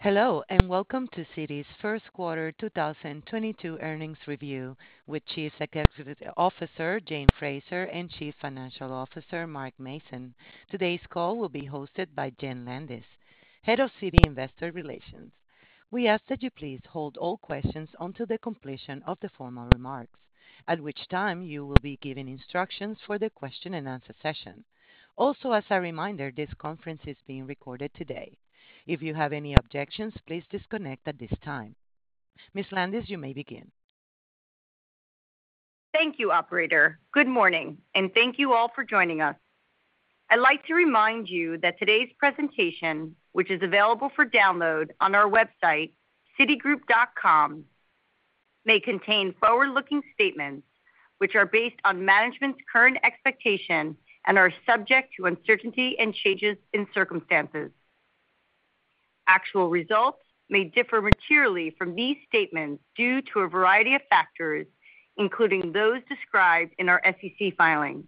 Hello, and welcome to Citi's first quarter 2022 earnings review with Chief Executive Officer Jane Fraser and Chief Financial Officer Mark Mason. Today's call will be hosted by Jenn Landis, Head of Citi Investor Relations. We ask that you please hold all questions until the completion of the formal remarks, at which time you will be given instructions for the question-and-answer session. Also, as a reminder, this conference is being recorded today. If you have any objections, please disconnect at this time. Ms. Landis, you may begin. Thank you, operator. Good morning, and thank you all for joining us. I'd like to remind you that today's presentation, which is available for download on our website, citigroup.com, may contain forward-looking statements, which are based on management's current expectation and are subject to uncertainty and changes in circumstances. Actual results may differ materially from these statements due to a variety of factors, including those described in our SEC filings.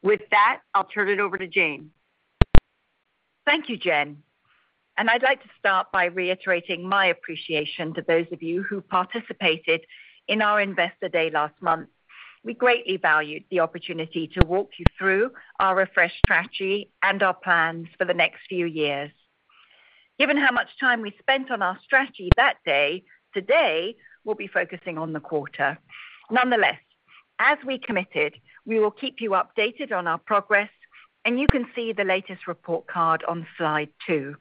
With that, I'll turn it over to Jane. Thank you, Jenn. I'd like to start by reiterating my appreciation to those of you who participated in our Investor Day last month. We greatly valued the opportunity to walk you through our refreshed strategy and our plans for the next few years. Given how much time we spent on our strategy that day, today we'll be focusing on the quarter. Nonetheless, as we committed, we will keep you updated on our progress, and you can see the latest report card on slide two.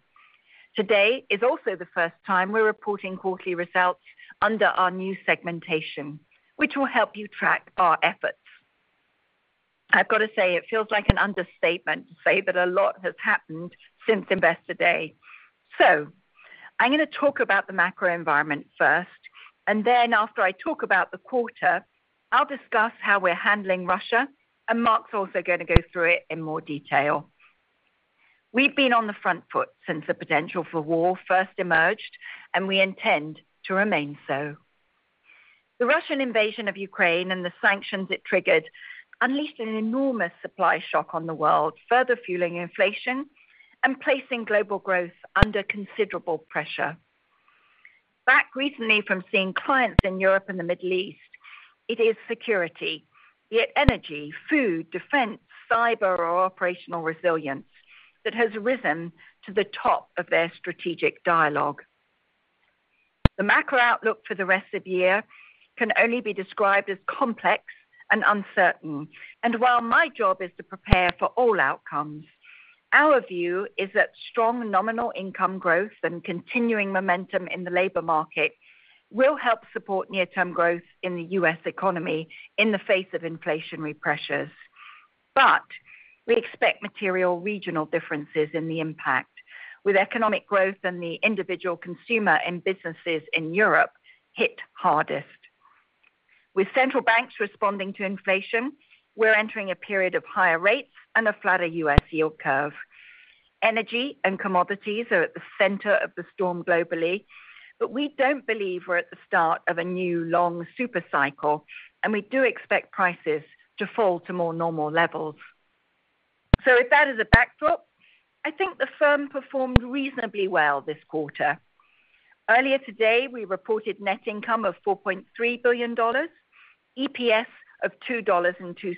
Today is also the first time we're reporting quarterly results under our new segmentation, which will help you track our efforts. I've got to say it feels like an understatement to say that a lot has happened since Investor Day. I'm gonna talk about the macro environment first, and then after I talk about the quarter, I'll discuss how we're handling Russia, and Mark's also gonna go through it in more detail. We've been on the front foot since the potential for war first emerged, and we intend to remain so. The Russian invasion of Ukraine and the sanctions it triggered unleashed an enormous supply shock on the world, further fueling inflation and placing global growth under considerable pressure. Back recently from seeing clients in Europe and the Middle East, it is security, be it energy, food, defense, cyber or operational resilience that has risen to the top of their strategic dialogue. The macro outlook for the rest of the year can only be described as complex and uncertain. While my job is to prepare for all outcomes, our view is that strong nominal income growth and continuing momentum in the labor market will help support near-term growth in the U.S. economy in the face of inflationary pressures. We expect material regional differences in the impact, with economic growth and the individual consumer and businesses in Europe hit hardest. With central banks responding to inflation, we're entering a period of higher rates and a flatter U.S. yield curve. Energy and commodities are at the center of the storm globally, but we don't believe we're at the start of a new long super cycle, and we do expect prices to fall to more normal levels. With that as a backdrop, I think the firm performed reasonably well this quarter. Earlier today, we reported net income of $4.3 billion, EPS of $2.02,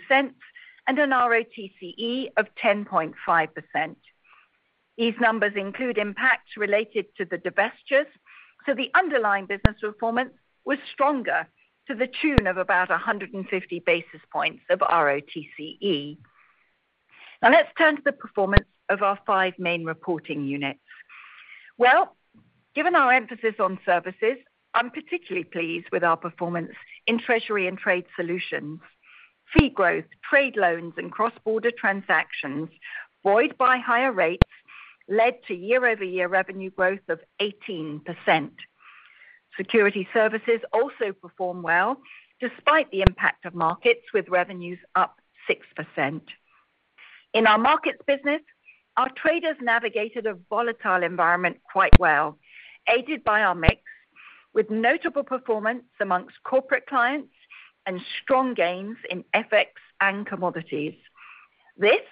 and an ROTCE of 10.5%. These numbers include impacts related to the divestitures, so the underlying business performance was stronger to the tune of about 150 basis points of ROTCE. Now let's turn to the performance of our five main reporting units. Well, given our emphasis on services, I'm particularly pleased with our performance in Treasury and Trade Solutions. Fee growth, trade loans, and cross-border transactions, buoyed by higher rates, led to year-over-year revenue growth of 18%. Securities Services also performed well despite the impact of markets, with revenues up 6%. In our markets business, our traders navigated a volatile environment quite well, aided by our mix, with notable performance amongst corporate clients and strong gains in FX and commodities. This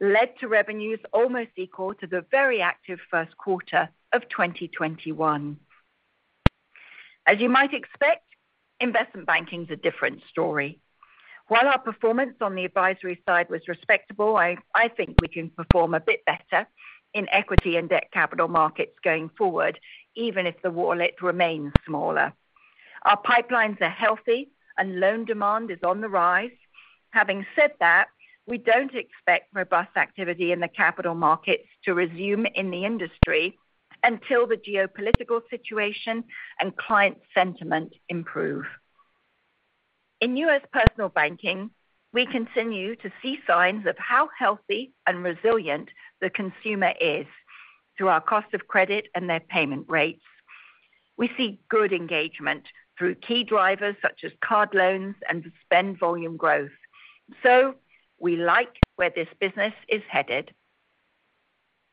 led to revenues almost equal to the very active first quarter of 2021. As you might expect, investment banking is a different story. While our performance on the advisory side was respectable, I think we can perform a bit better in equity and debt capital markets going forward, even if the wallet remains smaller. Our pipelines are healthy and loan demand is on the rise. Having said that, we don't expect robust activity in the capital markets to resume in the industry until the geopolitical situation and client sentiment improve. In U.S. Personal Banking, we continue to see signs of how healthy and resilient the consumer is through our cost of credit and their payment rates. We see good engagement through key drivers such as card loans and spend volume growth. We like where this business is headed.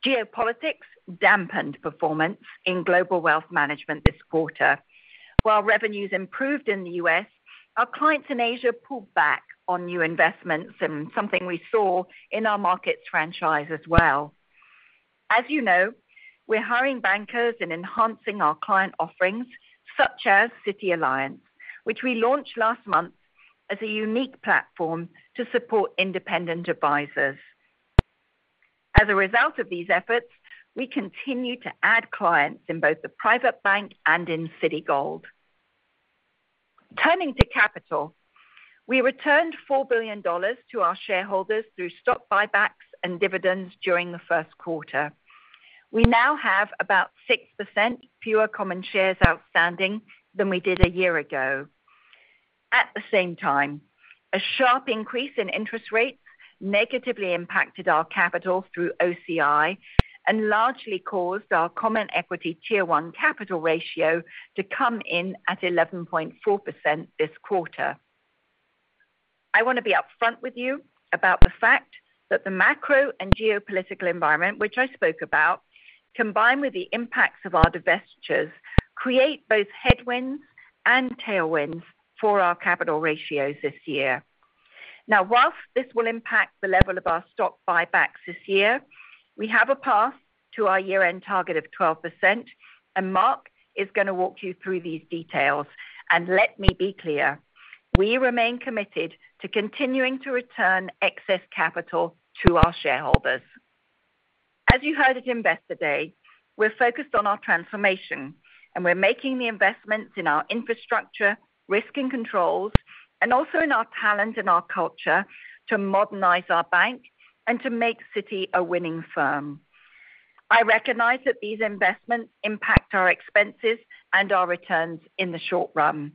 Geopolitics dampened performance in global wealth management this quarter. While revenues improved in the U.S., our clients in Asia pulled back on new investments and something we saw in our markets franchise as well. As you know, we're hiring bankers and enhancing our client offerings such as Citi Alliance, which we launched last month as a unique platform to support independent advisors. As a result of these efforts, we continue to add clients in both the private bank and in Citigold. Turning to capital. We returned $4 billion to our shareholders through stock buybacks and dividends during the first quarter. We now have about 6% fewer common shares outstanding than we did a year ago. At the same time, a sharp increase in interest rates negatively impacted our capital through OCI and largely caused our common equity tier one capital ratio to come in at 11.4% this quarter. I want to be upfront with you about the fact that the macro and geopolitical environment, which I spoke about, combined with the impacts of our divestitures, create both headwinds and tailwinds for our capital ratios this year. Now, while this will impact the level of our stock buybacks this year, we have a path to our year-end target of 12%, and Mark is gonna walk you through these details. Let me be clear, we remain committed to continuing to return excess capital to our shareholders. As you heard at Investor Day, we're focused on our transformation, and we're making the investments in our infrastructure, risk and controls, and also in our talent and our culture to modernize our bank and to make Citi a winning firm. I recognize that these investments impact our expenses and our returns in the short run,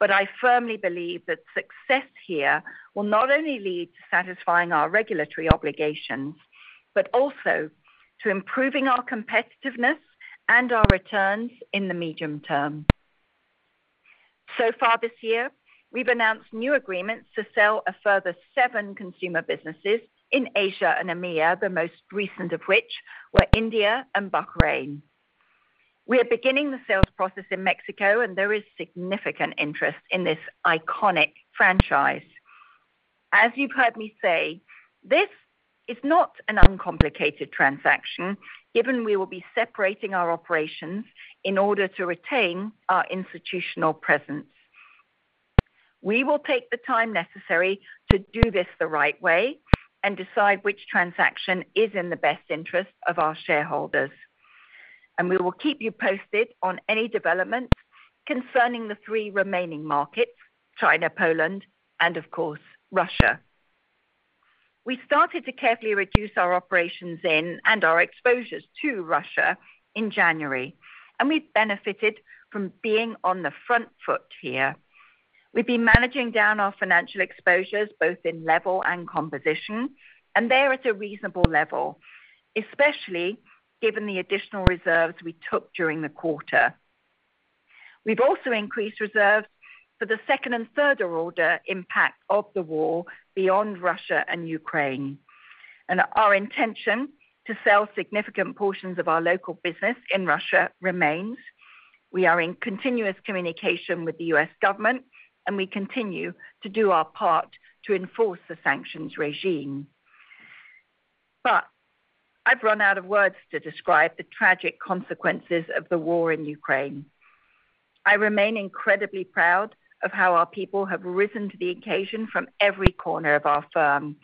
but I firmly believe that success here will not only lead to satisfying our regulatory obligations, but also to improving our competitiveness and our returns in the medium term. So far this year, we've announced new agreements to sell a further seven consumer businesses in Asia and EMEA, the most recent of which were India and Bahrain. We are beginning the sales process in Mexico, and there is significant interest in this iconic franchise. As you've heard me say, this is not an uncomplicated transaction, given we will be separating our operations in order to retain our institutional presence. We will take the time necessary to do this the right way and decide which transaction is in the best interest of our shareholders. We will keep you posted on any developments concerning the three remaining markets, China, Poland, and of course, Russia. We started to carefully reduce our operations in and our exposures to Russia in January, and we've benefited from being on the front foot here. We've been managing down our financial exposures, both in level and composition, and they are at a reasonable level, especially given the additional reserves we took during the quarter. We've also increased reserves for the second and third order impact of the war beyond Russia and Ukraine. Our intention to sell significant portions of our local business in Russia remains. We are in continuous communication with the U.S. government, and we continue to do our part to enforce the sanctions regime. I've run out of words to describe the tragic consequences of the war in Ukraine. I remain incredibly proud of how our people have risen to the occasion from every corner of our firm.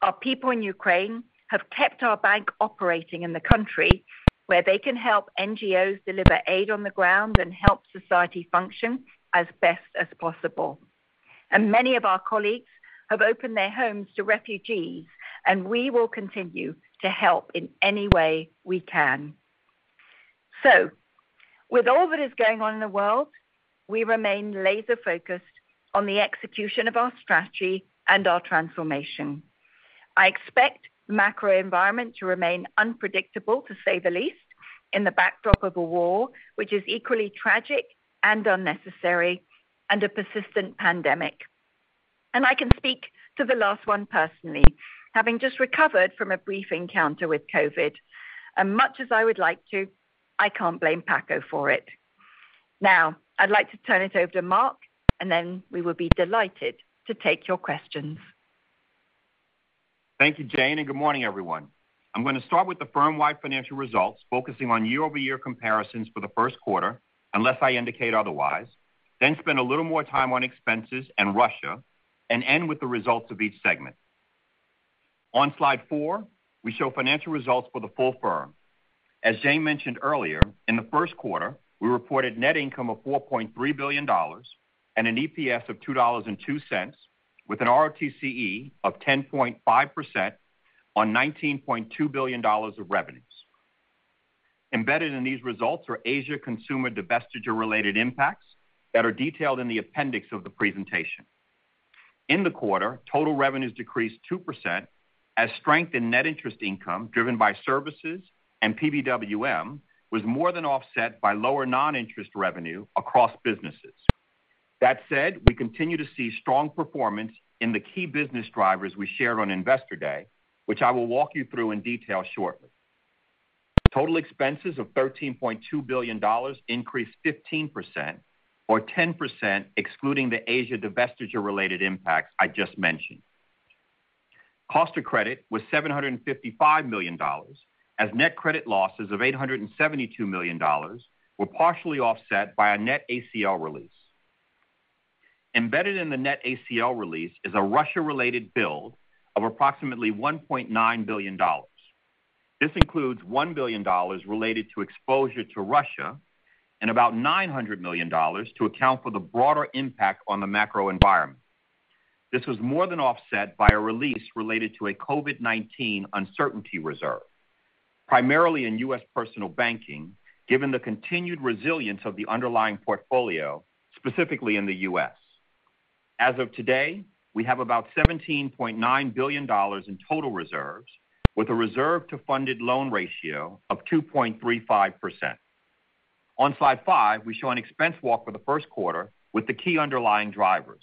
Our people in Ukraine have kept our bank operating in the country where they can help NGOs deliver aid on the ground and help society function as best as possible. Many of our colleagues have opened their homes to refugees, and we will continue to help in any way we can. With all that is going on in the world, we remain laser-focused on the execution of our strategy and our transformation. I expect the macro environment to remain unpredictable, to say the least, in the backdrop of a war which is equally tragic and unnecessary, and a persistent pandemic. I can speak to the last one personally, having just recovered from a brief encounter with COVID. Much as I would like to, I can't blame Paco for it. Now, I'd like to turn it over to Mark, and then we will be delighted to take your questions. Thank you, Jane, and good morning, everyone. I'm gonna start with the firm-wide financial results, focusing on year-over-year comparisons for the first quarter, unless I indicate otherwise, then spend a little more time on expenses and Russia, and end with the results of each segment. On slide four, we show financial results for the full firm. As Jane mentioned earlier, in the first quarter, we reported net income of $4.3 billion and an EPS of $2.02 with an ROTCE of 10.5% on $19.2 billion of revenues. Embedded in these results are Asia consumer divestiture-related impacts that are detailed in the appendix of the presentation. In the quarter, total revenues decreased 2% as strength in net interest income, driven by services and PBWM, was more than offset by lower non-interest revenue across businesses. That said, we continue to see strong performance in the key business drivers we shared on Investor Day, which I will walk you through in detail shortly. Total expenses of $13.2 billion increased 15% or 10% excluding the Asia divestiture related impacts I just mentioned. Cost of credit was $755 million as net credit losses of $872 million were partially offset by a net ACL release. Embedded in the net ACL release is a Russia-related build of approximately $1.9 billion. This includes $1 billion related to exposure to Russia and about $900 million to account for the broader impact on the macro environment. This was more than offset by a release related to a COVID-19 uncertainty reserve, primarily in U.S. personal banking, given the continued resilience of the underlying portfolio, specifically in the U.S. As of today, we have about $17.9 billion in total reserves with a reserve to funded loan ratio of 2.35%. On slide five, we show an expense walk for the first quarter with the key underlying drivers.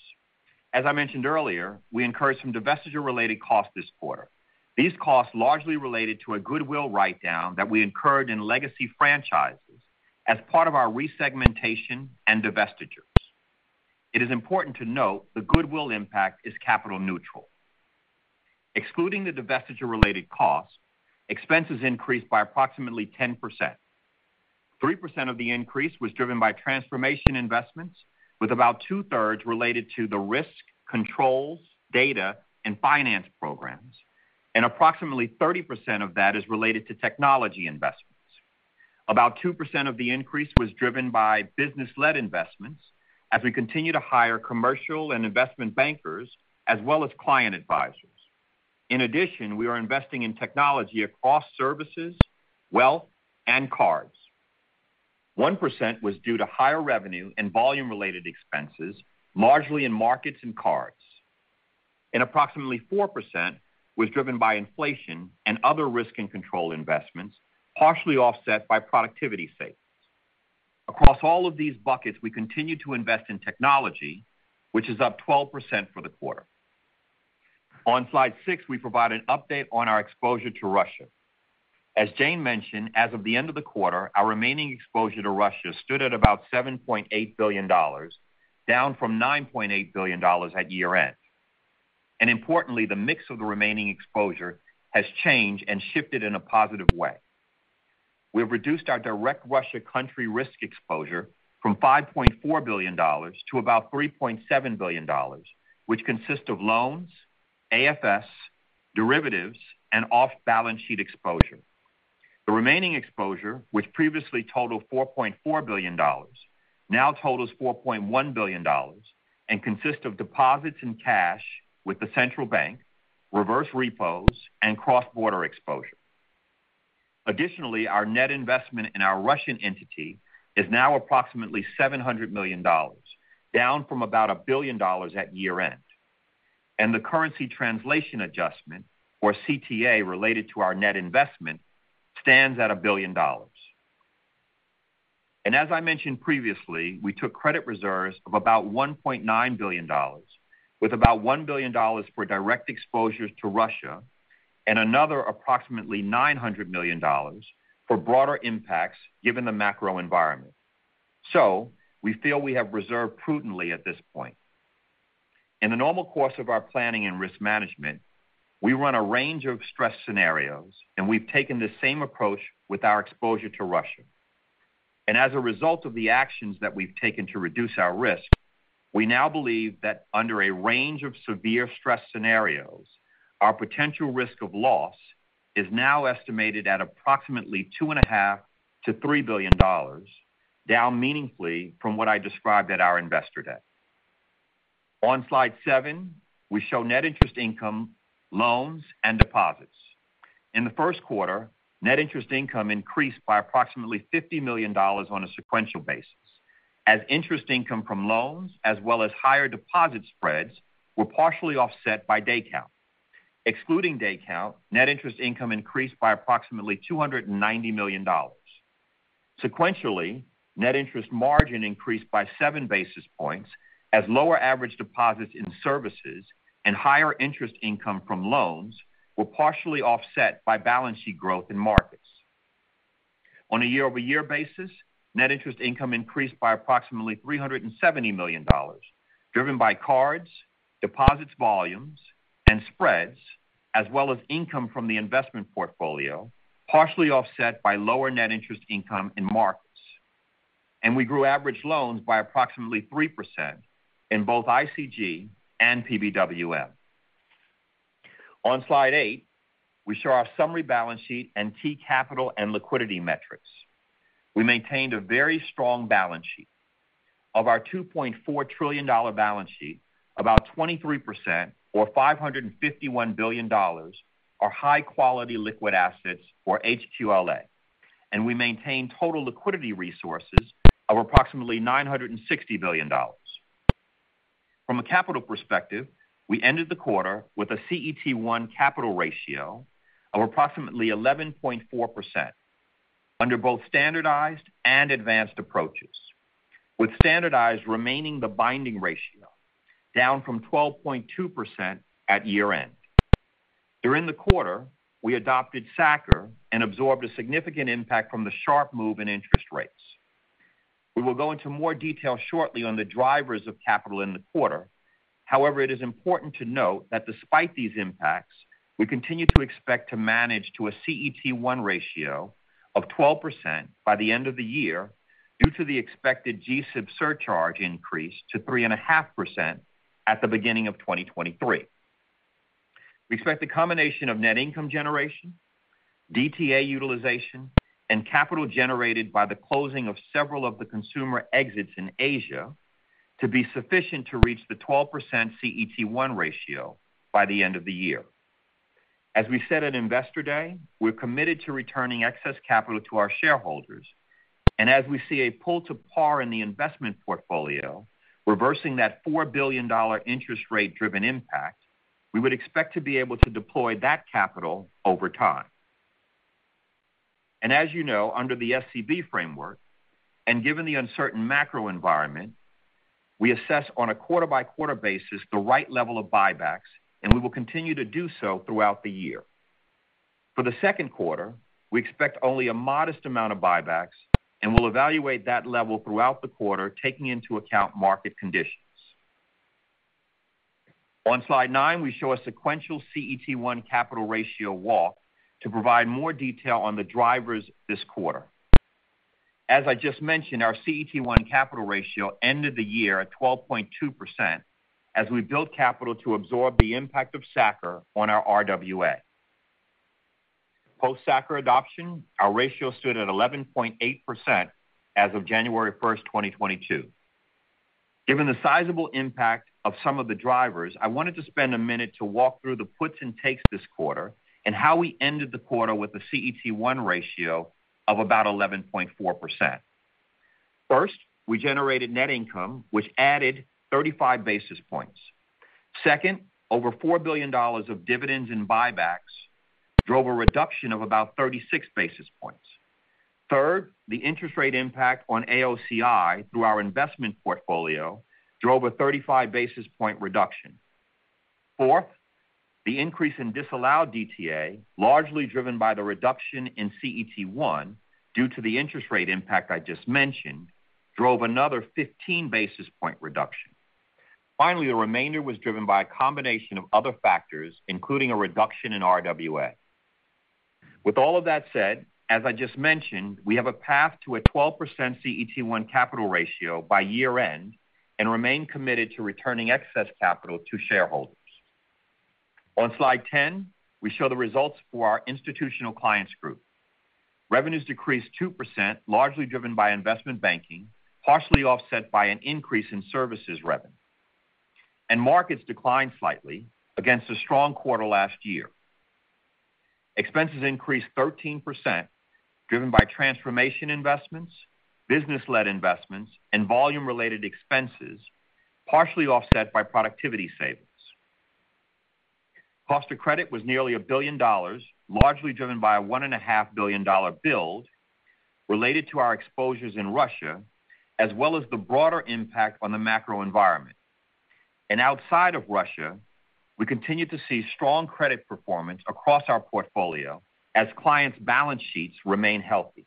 As I mentioned earlier, we incurred some divestiture-related costs this quarter. These costs largely related to a goodwill write-down that we incurred in legacy franchises as part of our resegmentation and divestitures. It is important to note the goodwill impact is capital neutral. Excluding the divestiture-related costs, expenses increased by approximately 10%. 3% of the increase was driven by transformation investments with about two-thirds related to the risk, controls, data, and finance programs, and approximately 30% of that is related to technology investments. About 2% of the increase was driven by business-led investments as we continue to hire commercial and investment bankers as well as client advisors. In addition, we are investing in technology across services, wealth, and cards. 1% was due to higher revenue and volume-related expenses, marginally in markets and cards. Approximately 4% was driven by inflation and other risk and control investments, partially offset by productivity savings. Across all of these buckets, we continue to invest in technology, which is up 12% for the quarter. On slide six, we provide an update on our exposure to Russia. As Jane mentioned, as of the end of the quarter, our remaining exposure to Russia stood at about $7.8 billion, down from $9.8 billion at year-end. Importantly, the mix of the remaining exposure has changed and shifted in a positive way. We have reduced our direct Russia country risk exposure from $5.4 billion to about $3.7 billion, which consists of loans, AFS, derivatives, and off-balance sheet exposure. The remaining exposure, which previously totaled $4.4 billion, now totals $4.1 billion and consists of deposits and cash with the central bank, reverse repos, and cross-border exposure. Additionally, our net investment in our Russian entity is now approximately $700 million, down from about $1 billion at year-end. The currency translation adjustment, or CTA related to our net investment, stands at $1 billion. As I mentioned previously, we took credit reserves of about $1.9 billion, with about $1 billion for direct exposures to Russia and another approximately $900 million for broader impacts given the macro environment. We feel we have reserved prudently at this point. In the normal course of our planning and risk management, we run a range of stress scenarios, and we've taken the same approach with our exposure to Russia. As a result of the actions that we've taken to reduce our risk, we now believe that under a range of severe stress scenarios, our potential risk of loss is now estimated at approximately $2.5 billion-$3 billion, down meaningfully from what I described at our Investor Day. On slide seven, we show net interest income, loans, and deposits. In the first quarter, net interest income increased by approximately $50 million on a sequential basis, as interest income from loans as well as higher deposit spreads were partially offset by day count. Excluding day count, net interest income increased by approximately $290 million. Sequentially, net interest margin increased by 7 basis points as lower average deposits in services and higher interest income from loans were partially offset by balance sheet growth in markets. On a year-over-year basis, net interest income increased by approximately $370 million, driven by cards, deposits volumes, and spreads, as well as income from the investment portfolio, partially offset by lower net interest income in markets. We grew average loans by approximately 3% in both ICG and PBWM. On slide eight, we show our summary balance sheet and key capital and liquidity metrics. We maintained a very strong balance sheet. Of our $2.4 trillion balance sheet, about 23% or $551 billion are high-quality liquid assets or HQLA, and we maintain total liquidity resources of approximately $960 billion. From a capital perspective, we ended the quarter with a CET1 capital ratio of approximately 11.4% under both standardized and advanced approaches, with standardized remaining the binding ratio down from 12.2% at year-end. During the quarter, we adopted SA-CCR and absorbed a significant impact from the sharp move in interest rates. We will go into more detail shortly on the drivers of capital in the quarter. However, it is important to note that despite these impacts, we continue to expect to manage to a CET1 ratio of 12% by the end of the year due to the expected G-SIB surcharge increase to 3.5% at the beginning of 2023. We expect the combination of net income generation, DTA utilization, and capital generated by the closing of several of the consumer exits in Asia to be sufficient to reach the 12% CET1 ratio by the end of the year. As we said at Investor Day, we're committed to returning excess capital to our shareholders, and as we see a pull to par in the investment portfolio, reversing that $4 billion interest rate driven impact, we would expect to be able to deploy that capital over time. As you know, under the SCB framework and given the uncertain macro environment, we assess on a quarter-by-quarter basis the right level of buybacks, and we will continue to do so throughout the year. For the second quarter, we expect only a modest amount of buybacks, and we'll evaluate that level throughout the quarter, taking into account market conditions. On slide nine, we show a sequential CET1 capital ratio walk to provide more detail on the drivers this quarter. As I just mentioned, our CET1 capital ratio ended the year at 12.2% as we built capital to absorb the impact of SA-CCR on our RWA. Post SA-CCR adoption, our ratio stood at 11.8% as of January 1st, 2022. Given the sizable impact of some of the drivers, I wanted to spend a minute to walk through the puts and takes this quarter and how we ended the quarter with a CET1 ratio of about 11.4%. First, we generated net income which added 35 basis points. Second, over $4 billion of dividends and buybacks drove a reduction of about 36 basis points. Third, the interest rate impact on AOCI through our investment portfolio drove a 35 basis point reduction. Fourth, the increase in disallowed DTA, largely driven by the reduction in CET1 due to the interest rate impact I just mentioned, drove another 15 basis point reduction. Finally, the remainder was driven by a combination of other factors, including a reduction in RWA. With all of that said, as I just mentioned, we have a path to a 12% CET1 capital ratio by year-end and remain committed to returning excess capital to shareholders. On slide 10, we show the results for our Institutional Clients Group. Revenues decreased 2%, largely driven by Investment Banking, partially offset by an increase in services revenue. Markets declined slightly against a strong quarter last year. Expenses increased 13%, driven by transformation investments, business-led investments, and volume related expenses, partially offset by productivity savings. Cost of credit was nearly $1 billion, largely driven by a $1.5 billion build related to our exposures in Russia, as well as the broader impact on the macro environment. Outside of Russia, we continue to see strong credit performance across our portfolio as clients' balance sheets remain healthy.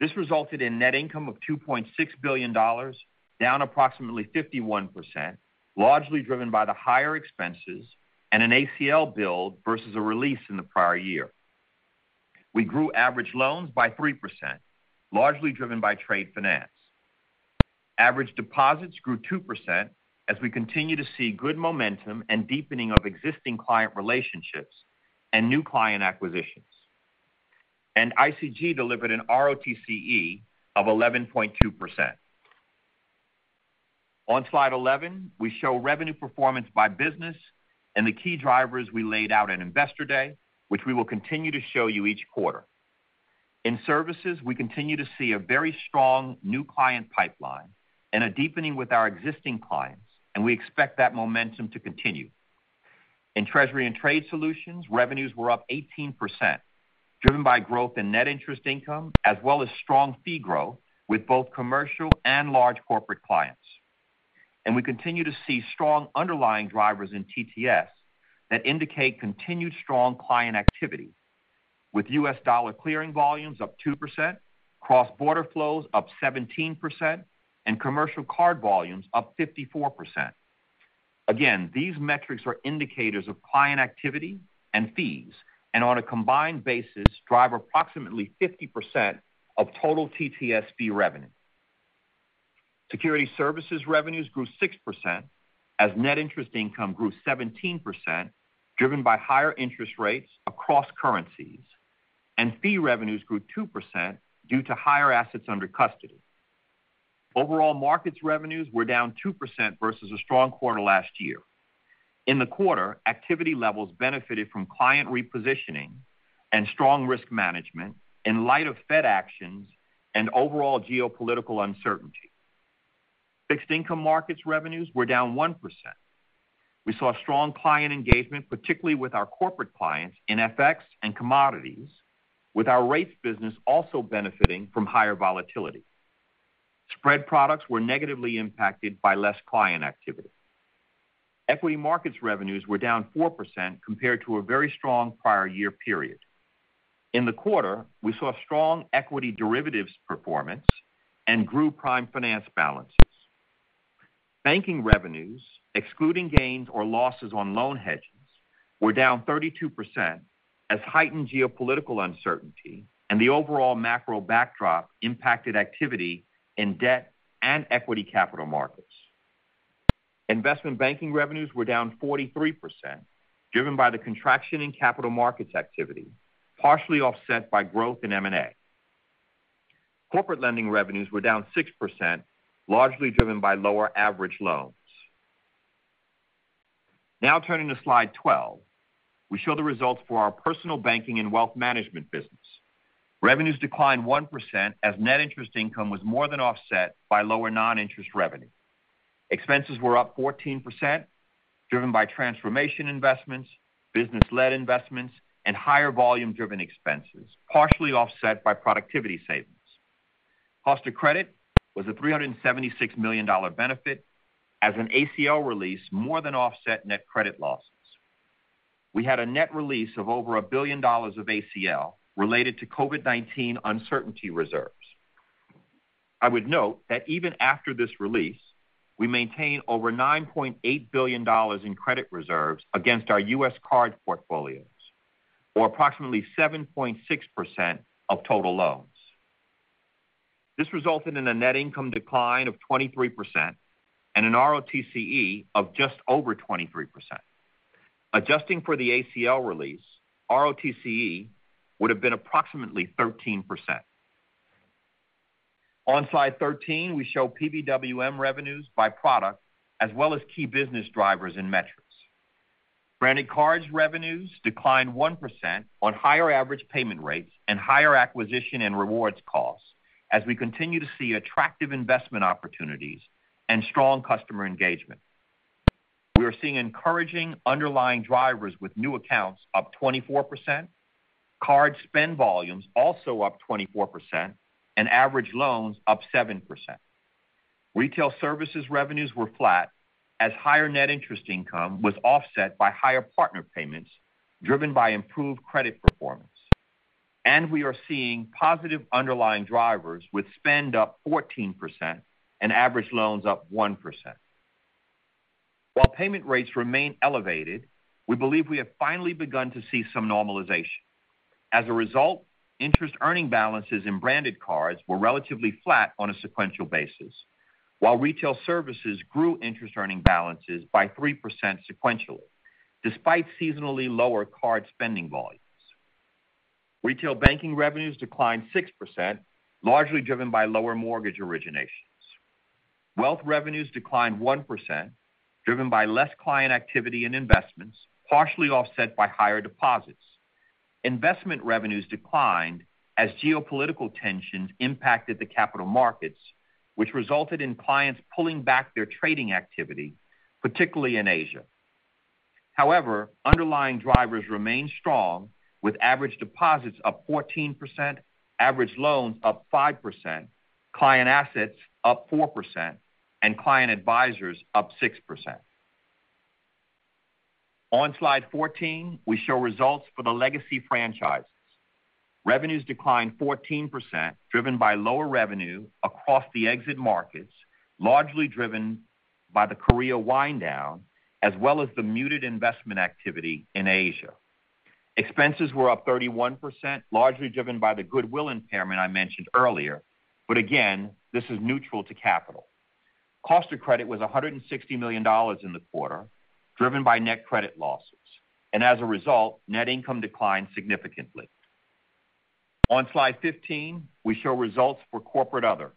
This resulted in net income of $2.6 billion, down approximately 51%, largely driven by the higher expenses and an ACL build versus a release in the prior year. We grew average loans by 3%, largely driven by trade finance. Average deposits grew 2% as we continue to see good momentum and deepening of existing client relationships and new client acquisitions. ICG delivered an ROTCE of 11.2%. On slide 11, we show revenue performance by business and the key drivers we laid out at Investor Day, which we will continue to show you each quarter. In services, we continue to see a very strong new client pipeline and a deepening with our existing clients, and we expect that momentum to continue. In Treasury and Trade Solutions, revenues were up 18%, driven by growth in net interest income as well as strong fee growth with both commercial and large corporate clients. We continue to see strong underlying drivers in TTS that indicate continued strong client activity with U.S. dollar clearing volumes up 2%, cross-border flows up 17%, and commercial card volumes up 54%. Again, these metrics are indicators of client activity and fees, and on a combined basis drive approximately 50% of total TTS fee revenue. Securities Services revenues grew 6% as net interest income grew 17%, driven by higher interest rates across currencies, and fee revenues grew 2% due to higher assets under custody. Overall markets revenues were down 2% versus a strong quarter last year. In the quarter, activity levels benefited from client repositioning and strong risk management in light of Fed actions and overall geopolitical uncertainty. Fixed Income Markets revenues were down 1%. We saw strong client engagement, particularly with our corporate clients in FX and commodities, with our rates business also benefiting from higher volatility. Spread products were negatively impacted by less client activity. Equity Markets revenues were down 4% compared to a very strong prior year period. In the quarter, we saw strong equity derivatives performance and grew prime finance balances. Banking revenues, excluding gains or losses on loan hedges, were down 32% as heightened geopolitical uncertainty and the overall macro backdrop impacted activity in debt and equity capital markets. Investment Banking revenues were down 43%, driven by the contraction in capital markets activity, partially offset by growth in M&A. Corporate Lending revenues were down 6%, largely driven by lower average loans. Now turning to slide 12, we show the results for our personal banking and wealth management business. Revenues declined 1% as net interest income was more than offset by lower non-interest revenue. Expenses were up 14%, driven by transformation investments, business-led investments, and higher volume-driven expenses, partially offset by productivity savings. Cost of credit was a $376 million benefit as an ACL release more than offset net credit losses. We had a net release of over $1 billion of ACL related to COVID-19 uncertainty reserves. I would note that even after this release, we maintain over $9.8 billion in credit reserves against our U.S. card portfolios, or approximately 7.6% of total loans. This resulted in a net income decline of 23% and an ROTCE of just over 23%. Adjusting for the ACL release, ROTCE would have been approximately 13%. On slide 13, we show PBWM revenues by product as well as key business drivers and metrics. Branded Cards revenues declined 1% on higher average payment rates and higher acquisition and rewards costs as we continue to see attractive investment opportunities and strong customer engagement. We are seeing encouraging underlying drivers with new accounts up 24%, card spend volumes also up 24%, and average loans up 7%. Retail Services revenues were flat as higher net interest income was offset by higher partner payments driven by improved credit performance. We are seeing positive underlying drivers with spend up 14% and average loans up 1%. While payment rates remain elevated, we believe we have finally begun to see some normalization. As a result, interest earning balances in Branded Cards were relatively flat on a sequential basis, while Retail Services grew interest earning balances by 3% sequentially, despite seasonally lower card spending volumes. Retail Banking revenues declined 6%, largely driven by lower mortgage originations. Wealth revenues declined 1%, driven by less client activity and investments, partially offset by higher deposits. Investment revenues declined as geopolitical tensions impacted the capital markets, which resulted in clients pulling back their trading activity, particularly in Asia. However, underlying drivers remain strong with average deposits up 14%, average loans up 5%, client assets up 4%, and client advisors up 6%. On slide 14, we show results for the legacy franchises. Revenues declined 14%, driven by lower revenue across the exit markets, largely driven by the Korea wind down, as well as the muted investment activity in Asia. Expenses were up 31%, largely driven by the goodwill impairment I mentioned earlier. Again, this is neutral to capital. Cost of credit was $160 million in the quarter, driven by net credit losses. As a result, net income declined significantly. On slide 15, we show results for corporate other.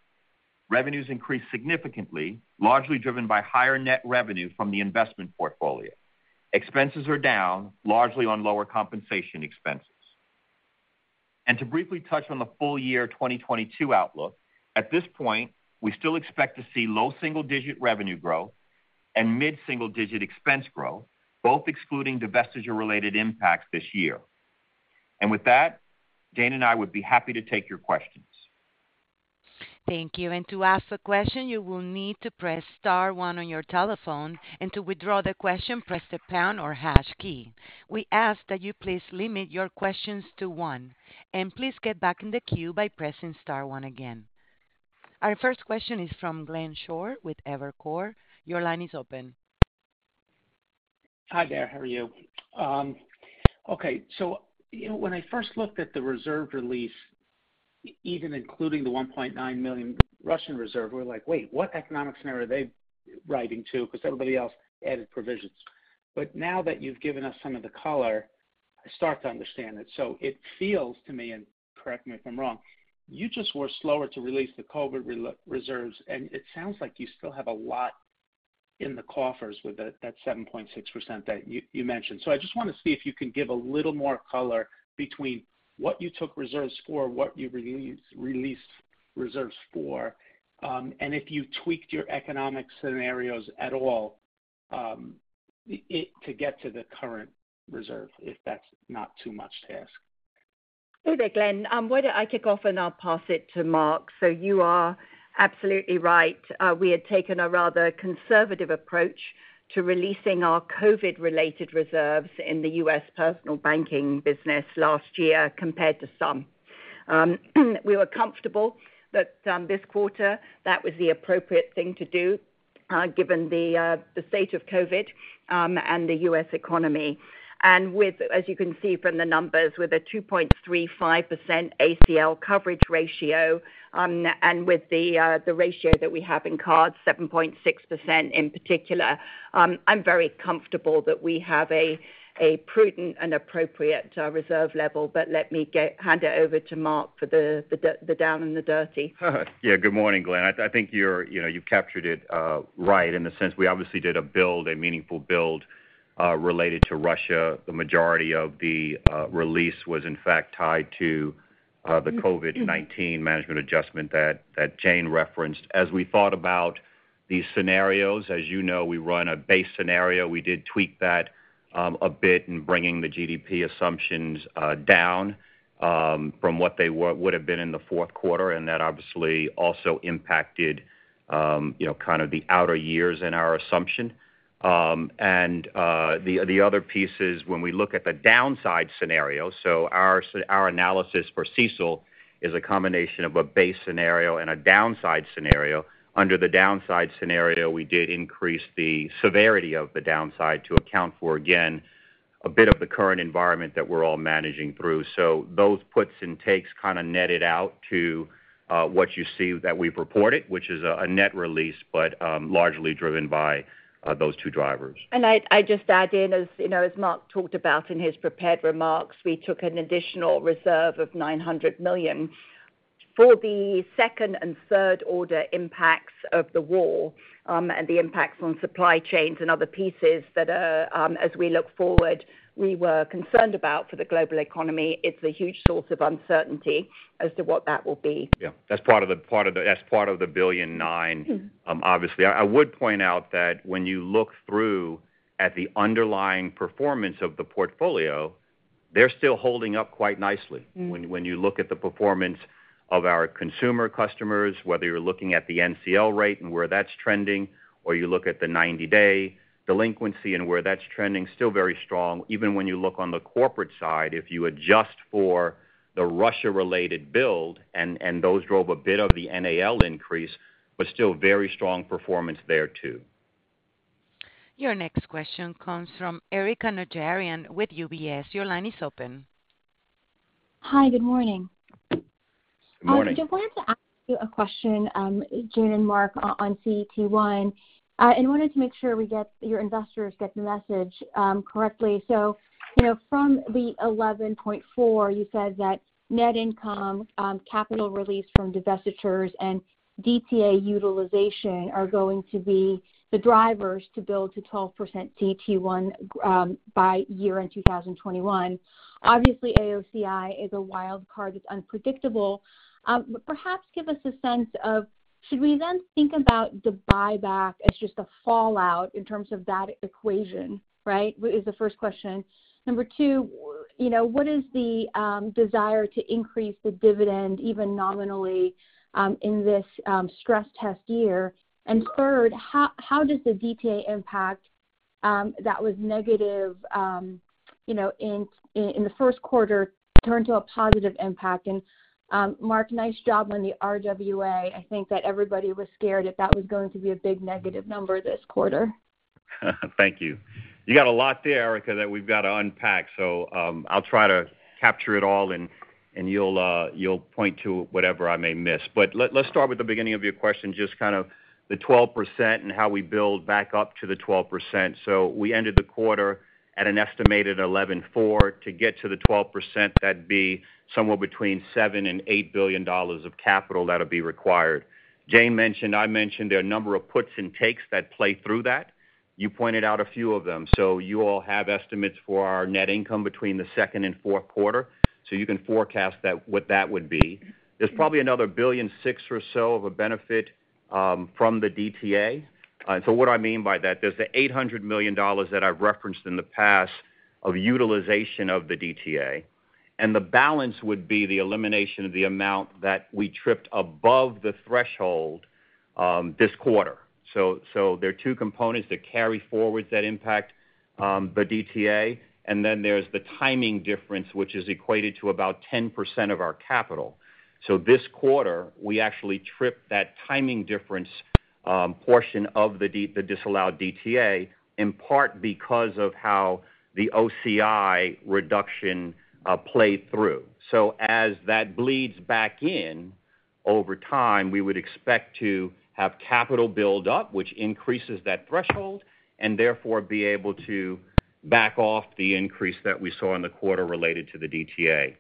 Revenues increased significantly, largely driven by higher net revenue from the investment portfolio. Expenses are down largely on lower compensation expenses. To briefly touch on the full year 2022 outlook, at this point, we still expect to see low single-digit revenue growth and mid single-digit expense growth, both excluding divestiture related impacts this year. With that, Jane and I would be happy to take your questions. Thank you. To ask a question, you will need to press star one on your telephone. To withdraw the question, press the pound or hash key. We ask that you please limit your questions to one, and please get back in the queue by pressing star one again. Our first question is from Glenn Schorr with Evercore ISI. Your line is open. Hi there, how are you? When I first looked at the reserve release, even including the $1.9 million Russian reserve, we're like, wait, what economics scenario are they writing to? Because everybody else added provisions. Now that you've given us some of the color, I start to understand it. It feels to me, and correct me if I'm wrong, you just were slower to release the COVID reserves, and it sounds like you still have a lot in the coffers with that 7.6% that you mentioned. I just wanna see if you can give a little more color between what you took reserves for, what you released reserves for, and if you tweaked your economic scenarios at all, it to get to the current reserve, if that's not too much to ask. Okay, Glenn, why don't I kick off and I'll pass it to Mark. You are absolutely right. We had taken a rather conservative approach to releasing our COVID-related reserves in the U.S. personal banking business last year compared to some. We were comfortable that this quarter that was the appropriate thing to do, given the state of COVID and the U.S. economy. With, as you can see from the numbers, with a 2.35% ACL coverage ratio, and with the ratio that we have in cards, 7.6% in particular, I'm very comfortable that we have a prudent and appropriate reserve level. Let me hand it over to Mark for the down and the dirty. Yeah, good morning, Glenn. I think you're, you know, you've captured it right in the sense we obviously did a build, a meaningful build, related to Russia. The majority of the release was in fact tied to. The COVID-19 management adjustment that Jane referenced. As we thought about these scenarios, as you know, we run a base scenario. We did tweak that a bit in bringing the GDP assumptions down from what they would have been in the fourth quarter, and that obviously also impacted you know kind of the outer years in our assumption. The other piece is when we look at the downside scenario. Our analysis for CECL is a combination of a base scenario and a downside scenario. Under the downside scenario, we did increase the severity of the downside to account for again a bit of the current environment that we're all managing through. Those puts and takes kinda netted out to what you see that we've reported, which is a net release, but largely driven by those two drivers. I'd just add in, as you know, as Mark talked about in his prepared remarks, we took an additional reserve of $900 million for the second and third order impacts of the war, and the impacts on supply chains and other pieces that, as we look forward, we were concerned about for the global economy. It's a huge source of uncertainty as to what that will be. Yeah. That's part of the billion nine- Mm-hmm Obviously. I would point out that when you look through at the underlying performance of the portfolio, they're still holding up quite nicely. Mm. When you look at the performance of our consumer customers, whether you're looking at the NCL rate and where that's trending or you look at the 90-day delinquency and where that's trending, still very strong. Even when you look on the corporate side, if you adjust for the Russia-related build and those drove a bit of the NAL increase, but still very strong performance there too. Your next question comes from Erika Najarian with UBS. Your line is open. Hi, good morning. Morning. I wanted to ask you a question, Jane and Mark, on CET1. wanted to make sure we get your investors get the message correctly. you know, from the 11.4%, you said that net income, capital release from divestitures and DTA utilization are going to be the drivers to build to 12% CET1 by year-end 2021. Obviously, AOCI is a wild card that's unpredictable. perhaps give us a sense of should we then think about the buyback as just a fallout in terms of that equation, right? Is the first question. Number 2, you know, what is the desire to increase the dividend even nominally in this stress test year? Third, how does the DTA impact that was negative, you know, in the first quarter turn to a positive impact? Mark, nice job on the RWA. I think that everybody was scared that that was going to be a big negative number this quarter. Thank you. You got a lot there, Erika, that we've got to unpack, so I'll try to capture it all, and you'll point to whatever I may miss. Let's start with the beginning of your question, just kind of the 12% and how we build back up to the 12%. We ended the quarter at an estimated 11.4%. To get to the 12%, that'd be somewhere between $7 billion and $8 billion of capital that'll be required. Jane mentioned, I mentioned there are a number of puts and takes that play through that. You pointed out a few of them. You all have estimates for our net income between the second and fourth quarter, so you can forecast that, what that would be. There's probably another $1.6 billion or so of a benefit from the DTA. What I mean by that, there's the $800 million that I've referenced in the past of utilization of the DTA, and the balance would be the elimination of the amount that we tripped above the threshold this quarter. There are two components that carry forward that impact the DTA, and then there's the timing difference, which is equated to about 10% of our capital. This quarter, we actually tripped that timing difference portion of the disallowed DTA, in part because of how the OCI reduction played through. As that bleeds back in over time, we would expect to have capital build up, which increases that threshold, and therefore be able to back off the increase that we saw in the quarter related to the DTA.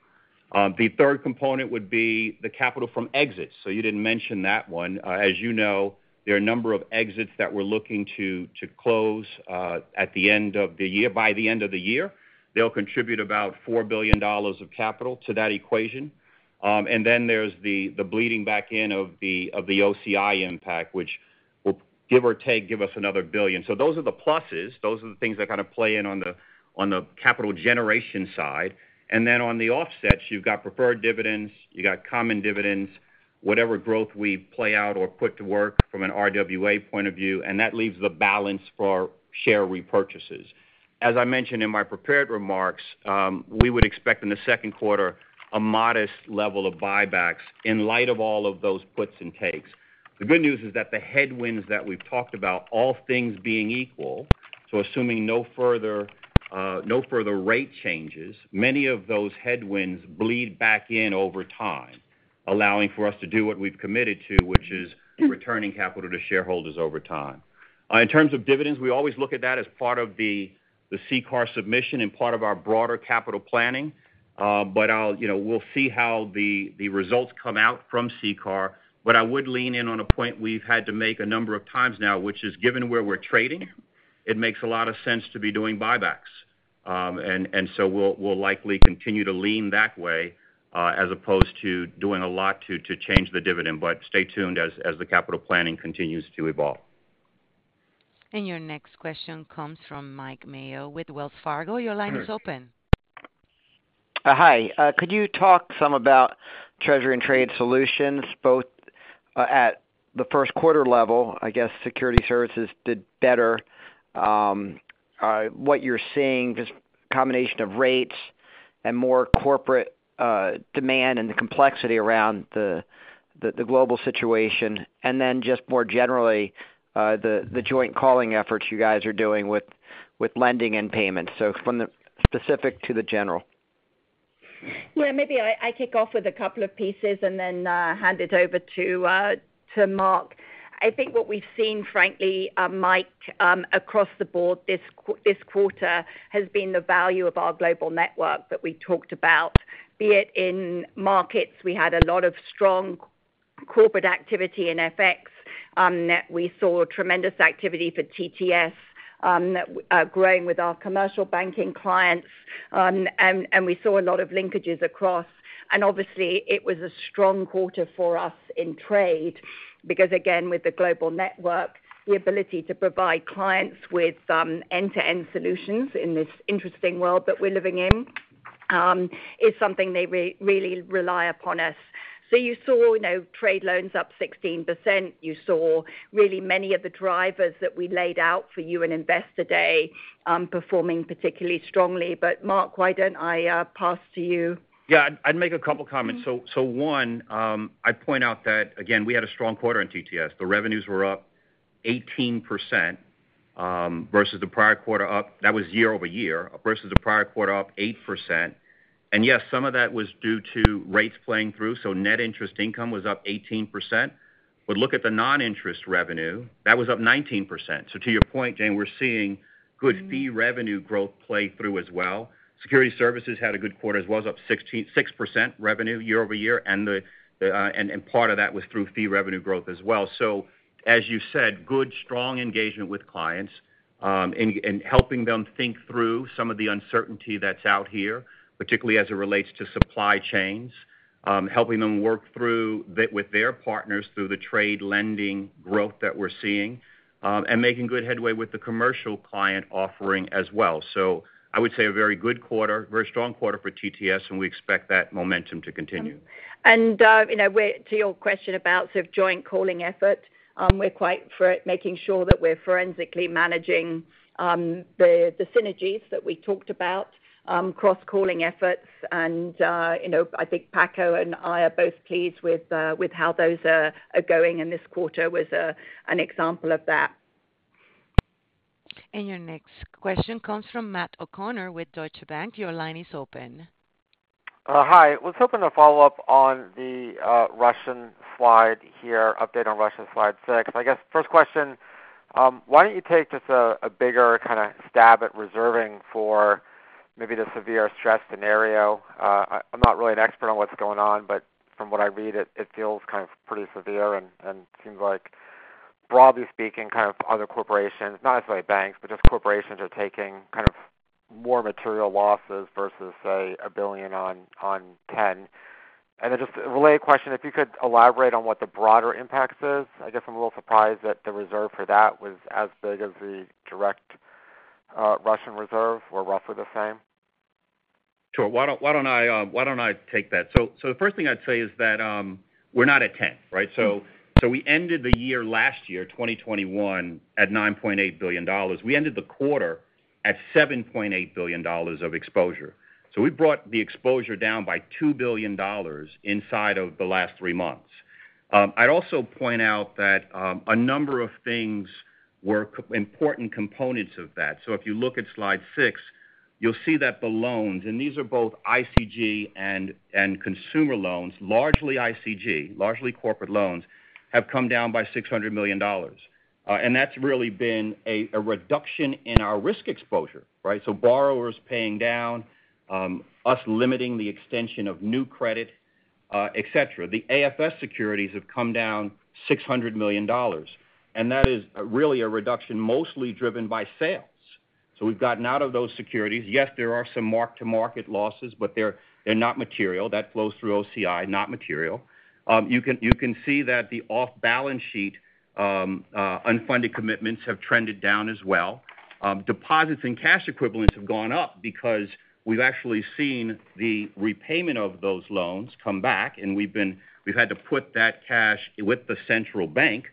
The third component would be the capital from exits. You didn't mention that one. As you know, there are a number of exits that we're looking to close at the end of the year. By the end of the year, they'll contribute about $4 billion of capital to that equation. And then there's the bleeding back in of the OCI impact, which will give or take give us another $1 billion. Those are the pluses. Those are the things that kind of play in on the capital generation side. On the offsets, you've got preferred dividends, you got common dividends, whatever growth we play out or put to work from an RWA point of view, and that leaves the balance for share repurchases. As I mentioned in my prepared remarks, we would expect in the second quarter a modest level of buybacks in light of all of those puts and takes. The good news is that the headwinds that we've talked about, all things being equal, so assuming no further rate changes, many of those headwinds bleed back in over time, allowing for us to do what we've committed to, which is returning capital to shareholders over time. In terms of dividends, we always look at that as part of the CCAR submission and part of our broader capital planning. I'll, you know, we'll see how the results come out from CCAR. I would lean in on a point we've had to make a number of times now, which is given where we're trading, it makes a lot of sense to be doing buybacks. We'll likely continue to lean that way, as opposed to doing a lot to change the dividend. Stay tuned as the capital planning continues to evolve. Your next question comes from Mike Mayo with Wells Fargo. Your line is open. Hi. Could you talk some about Treasury and Trade Solutions, both at the first quarter level? I guess Securities Services did better. What you're seeing, just a combination of rates and more corporate demand and the complexity around the global situation. Then just more generally, the joint calling efforts you guys are doing with lending and payments. From the specific to the general. Yeah, maybe I kick off with a couple of pieces and then hand it over to Mark. I think what we've seen, frankly, Mike, across the board this quarter, has been the value of our global network that we talked about. Be it in markets, we had a lot of strong corporate activity in FX that we saw tremendous activity for TTS, growing with our commercial banking clients. We saw a lot of linkages across. Obviously, it was a strong quarter for us in trade because again, with the global network, the ability to provide clients with end-to-end solutions in this interesting world that we're living in is something they really rely upon us. You saw, you know, trade loans up 16%. You saw really many of the drivers that we laid out for you in Investor Day, performing particularly strongly. Mark, why don't I pass to you? Yeah. I'd make a couple comments. One, I'd point out that again, we had a strong quarter in TTS. The revenues were up 18% year-over-year, versus the prior quarter up 8%. And yes, some of that was due to rates playing through, so net interest income was up 18%. But look at the non-interest revenue, that was up 19%. To your point, Jane, we're seeing good fee revenue growth play through as well. Securities Services had a good quarter as well, it was up 16.6% revenue year-over-year. And the part of that was through fee revenue growth as well. As you said, good, strong engagement with clients, in helping them think through some of the uncertainty that's out here, particularly as it relates to supply chains. Helping them work through with their partners through the trade lending growth that we're seeing, and making good headway with the commercial client offering as well. I would say a very good quarter, very strong quarter for TTS, and we expect that momentum to continue. To your question about sort of joint calling effort, we're quite focused on making sure that we're forensically managing the synergies that we talked about, cross-calling efforts. You know, I think Paco and I are both pleased with how those are going, and this quarter was an example of that. Your next question comes from Matt O'Connor with Deutsche Bank. Your line is open. Hi. I was hoping to follow up on the Russian slide here, update on Russian slide six. I guess first question, why don't you take just a bigger kind of stab at reserving for maybe the severe stress scenario? I'm not really an expert on what's going on, but from what I read, it feels kind of pretty severe and seems like broadly speaking, kind of other corporations, not necessarily banks, but just corporations are taking kind of more material losses versus, say, $1 billion on $10 billion. Just a related question, if you could elaborate on what the broader impacts is. I guess I'm a little surprised that the reserve for that was as big as the direct Russian reserve or roughly the same. Sure. Why don't I take that? The first thing I'd say is that we're not at $10 billion, right? We ended the year last year, 2021, at $9.8 billion. We ended the quarter at $7.8 billion of exposure. We brought the exposure down by $2 billion inside of the last three months. I'd also point out that a number of things were important components of that. If you look at slide six, you'll see that the loans, and these are both ICG and consumer loans, largely ICG, largely corporate loans, have come down by $600 million. And that's really been a reduction in our risk exposure, right? Borrowers paying down, us limiting the extension of new credit, et cetera. The AFS securities have come down $600 million, and that is really a reduction mostly driven by sales. We've gotten out of those securities. Yes, there are some mark-to-market losses, but they're not material. That flows through OCI, not material. You can see that the off-balance sheet unfunded commitments have trended down as well. Deposits in cash equivalents have gone up because we've actually seen the repayment of those loans come back, and we've had to put that cash with the central bank,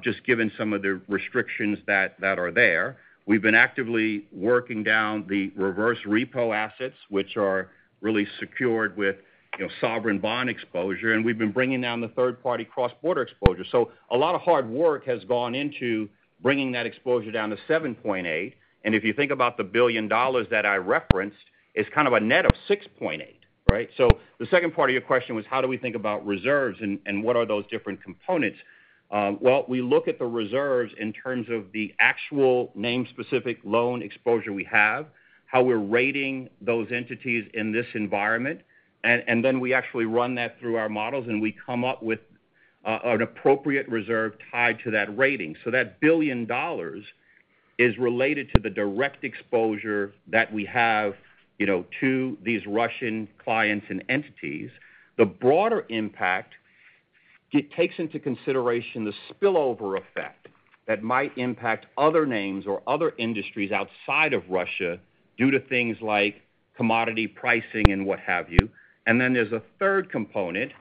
just given some of the restrictions that are there. We've been actively working down the reverse repo assets, which are really secured with, you know, sovereign bond exposure, and we've been bringing down the third-party cross-border exposure. A lot of hard work has gone into bringing that exposure down to $7.8. If you think about the $1 billion that I referenced, it's kind of a net of $6.8, right? The second part of your question was, how do we think about reserves and what are those different components? Well, we look at the reserves in terms of the actual name-specific loan exposure we have, how we're rating those entities in this environment, and then we actually run that through our models, and we come up with an appropriate reserve tied to that rating. That $1 billion is related to the direct exposure that we have, you know, to these Russian clients and entities. The broader impact, it takes into consideration the spillover effect that might impact other names or other industries outside of Russia due to things like commodity pricing and what have you. Then there's a third component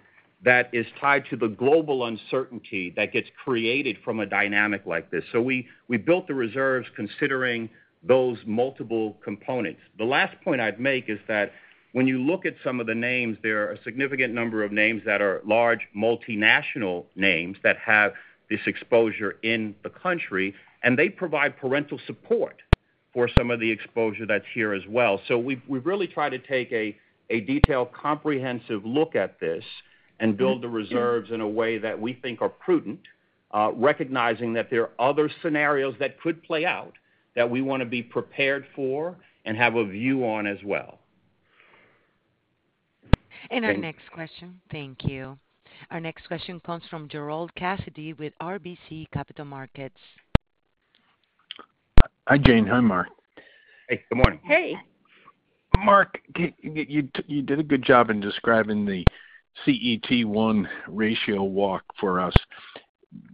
that is tied to the global uncertainty that gets created from a dynamic like this. We built the reserves considering those multiple components. The last point I'd make is that when you look at some of the names, there are a significant number of names that are large multinational names that have this exposure in the country, and they provide parental support for some of the exposure that's here as well. We've really tried to take a detailed, comprehensive look at this and build the reserves in a way that we think are prudent, recognizing that there are other scenarios that could play out that we wanna be prepared for and have a view on as well. Our next question. Thank you. Our next question comes from Gerard Cassidy with RBC Capital Markets. Hi, Jane. Hi, Mark. Hey, good morning. Hey. Mark, you did a good job in describing the CET1 ratio walk for us.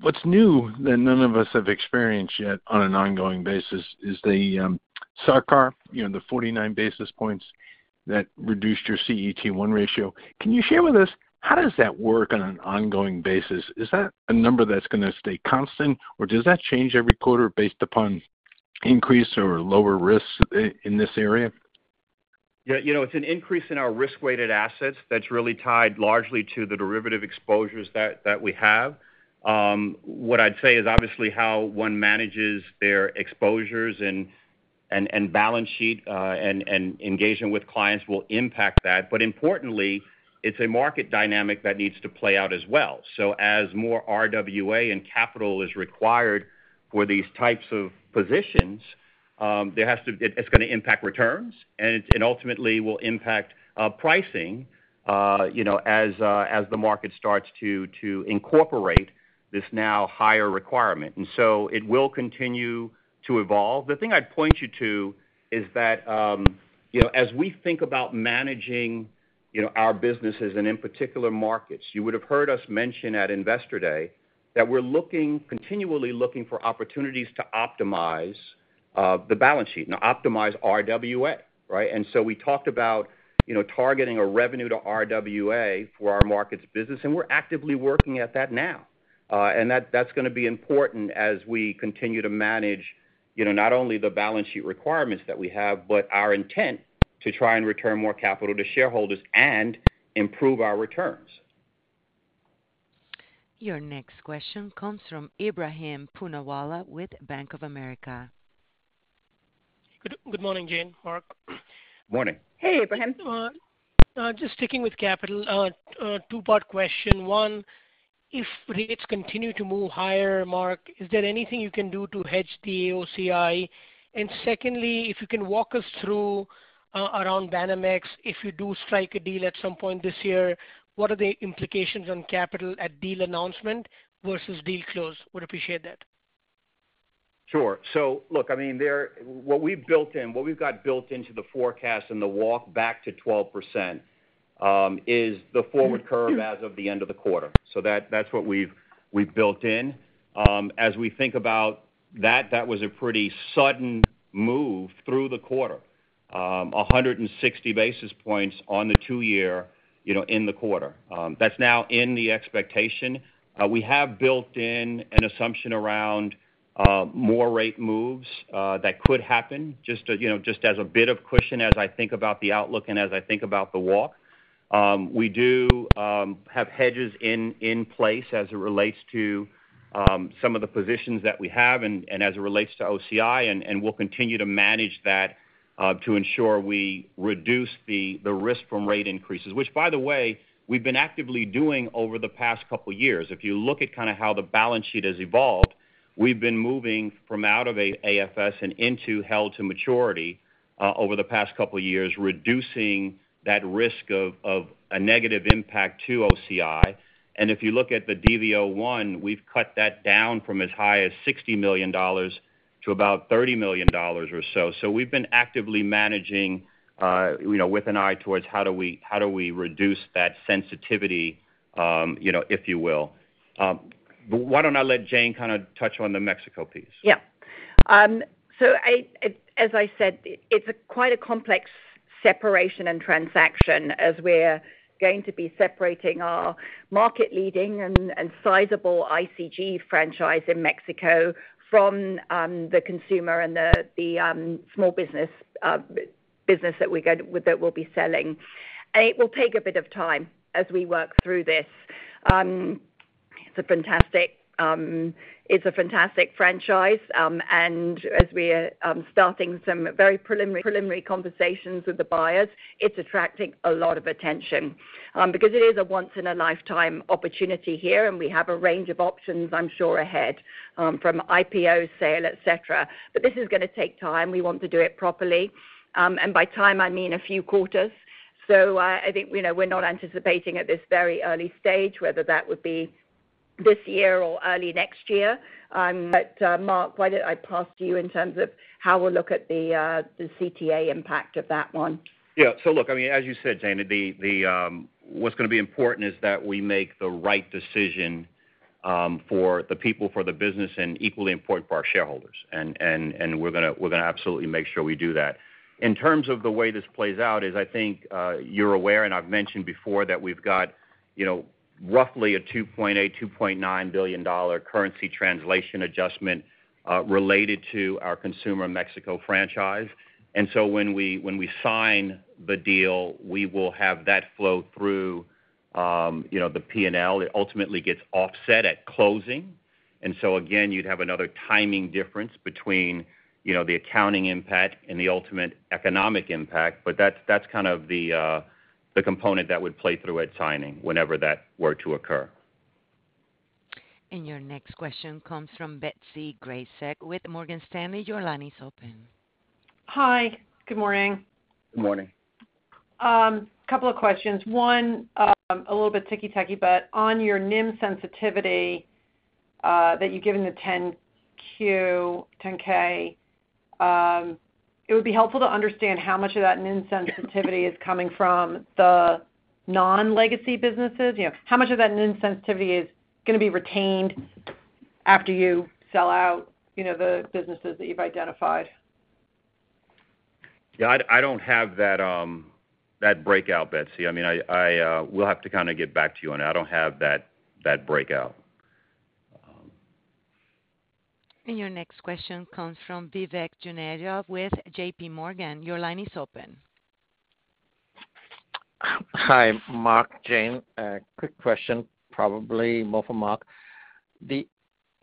What's new that none of us have experienced yet on an ongoing basis is the SA-CCR, you know, the 49 basis points that reduced your CET1 ratio. Can you share with us how does that work on an ongoing basis? Is that a number that's gonna stay constant, or does that change every quarter based upon increased or lower risks in this area? Yeah. You know, it's an increase in our risk-weighted assets that's really tied largely to the derivative exposures that we have. What I'd say is obviously how one manages their exposures and balance sheet and engagement with clients will impact that. Importantly, it's a market dynamic that needs to play out as well. As more RWA and capital is required for these types of positions, it's gonna impact returns and ultimately will impact pricing, you know, as the market starts to incorporate this now higher requirement. It will continue to evolve. The thing I'd point you to is that, you know, as we think about managing, you know, our businesses and in particular markets, you would have heard us mention at Investor Day that we're continually looking for opportunities to optimize the balance sheet and optimize RWA, right? We talked about, you know, targeting a revenue to RWA for our markets business, and we're actively working at that now. That's gonna be important as we continue to manage, you know, not only the balance sheet requirements that we have, but our intent to try and return more capital to shareholders and improve our returns. Your next question comes from Ebrahim Poonawala with Bank of America. Good morning, Jane, Mark. Morning. Hey, Ebrahim. Just sticking with capital, a two-part question. One, if rates continue to move higher, Mark, is there anything you can do to hedge the AOCI? And secondly, if you can walk us through around Banamex, if you do strike a deal at some point this year, what are the implications on capital at deal announcement versus deal close? Would appreciate that. Sure. Look, I mean, what we've built in, what we've got built into the forecast and the walk back to 12%, is the forward curve as of the end of the quarter. That, that's what we've built in. As we think about that was a pretty sudden move through the quarter. 160 basis points on the two-year, you know, in the quarter. That's now in the expectation. We have built in an assumption around more rate moves that could happen just, you know, just as a bit of cushion as I think about the outlook and as I think about the walk. We do have hedges in place as it relates to some of the positions that we have and as it relates to OCI, and we'll continue to manage that to ensure we reduce the risk from rate increases. Which by the way, we've been actively doing over the past couple years. If you look at kind of how the balance sheet has evolved. We've been moving from out of AFS and into held to maturity over the past couple years, reducing that risk of a negative impact to OCI. If you look at the DVO1, we've cut that down from as high as $60 million to about $30 million or so. We've been actively managing, you know, with an eye towards how do we reduce that sensitivity, you know, if you will. Why don't I let Jane kind of touch on the Mexico piece? As I said, it's quite a complex separation and transaction as we're going to be separating our market leading and sizable ICG franchise in Mexico from the consumer and the small business business that we'll be selling. It will take a bit of time as we work through this. It's a fantastic franchise and as we are starting some very preliminary conversations with the buyers, it's attracting a lot of attention because it is a once in a lifetime opportunity here, and we have a range of options, I'm sure, ahead from IPO sale, et cetera. This is gonna take time. We want to do it properly. By time, I mean a few quarters. I think, you know, we're not anticipating at this very early stage whether that would be this year or early next year. Mark, why don't I pass to you in terms of how we'll look at the CTA impact of that one? Yeah. Look, I mean, as you said, Jane, what's gonna be important is that we make the right decision for the people, for the business, and equally important for our shareholders. We're gonna absolutely make sure we do that. In terms of the way this plays out is, I think, you're aware, and I've mentioned before that we've got, you know, roughly a $2.8-$2.9 billion currency translation adjustment related to our consumer Mexico franchise. When we sign the deal, we will have that flow through, you know, the P&L. It ultimately gets offset at closing. Again, you'd have another timing difference between, you know, the accounting impact and the ultimate economic impact. That's kind of the component that would play through at signing, whenever that were to occur. Your next question comes from Betsy Graseck with Morgan Stanley. Your line is open. Hi. Good morning. Good morning. Couple of questions. One, a little bit ticky-tacky, but on your NIM sensitivity, that you've given the 10-Q, 10-K, it would be helpful to understand how much of that NIM sensitivity is coming from the non-legacy businesses. You know, how much of that NIM sensitivity is gonna be retained after you sell out, you know, the businesses that you've identified. Yeah, I don't have that breakout, Betsy. I mean, I will have to kinda get back to you on it. I don't have that breakout. Your next question comes from Vivek Juneja with JPMorgan. Your line is open. Hi, Mark, Jane. A quick question, probably more for Mark. The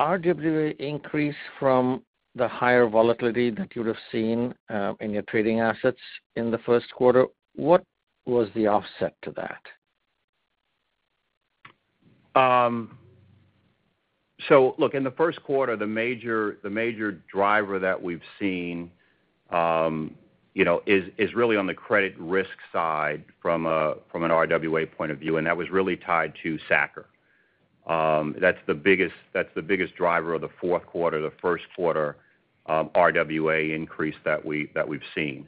RWA increase from the higher volatility that you would've seen in your trading assets in the first quarter, what was the offset to that? Look, in the first quarter, the major driver that we've seen, you know, is really on the credit risk side from an RWA point of view, and that was really tied to SA-CCR. That's the biggest driver of the first quarter RWA increase that we've seen.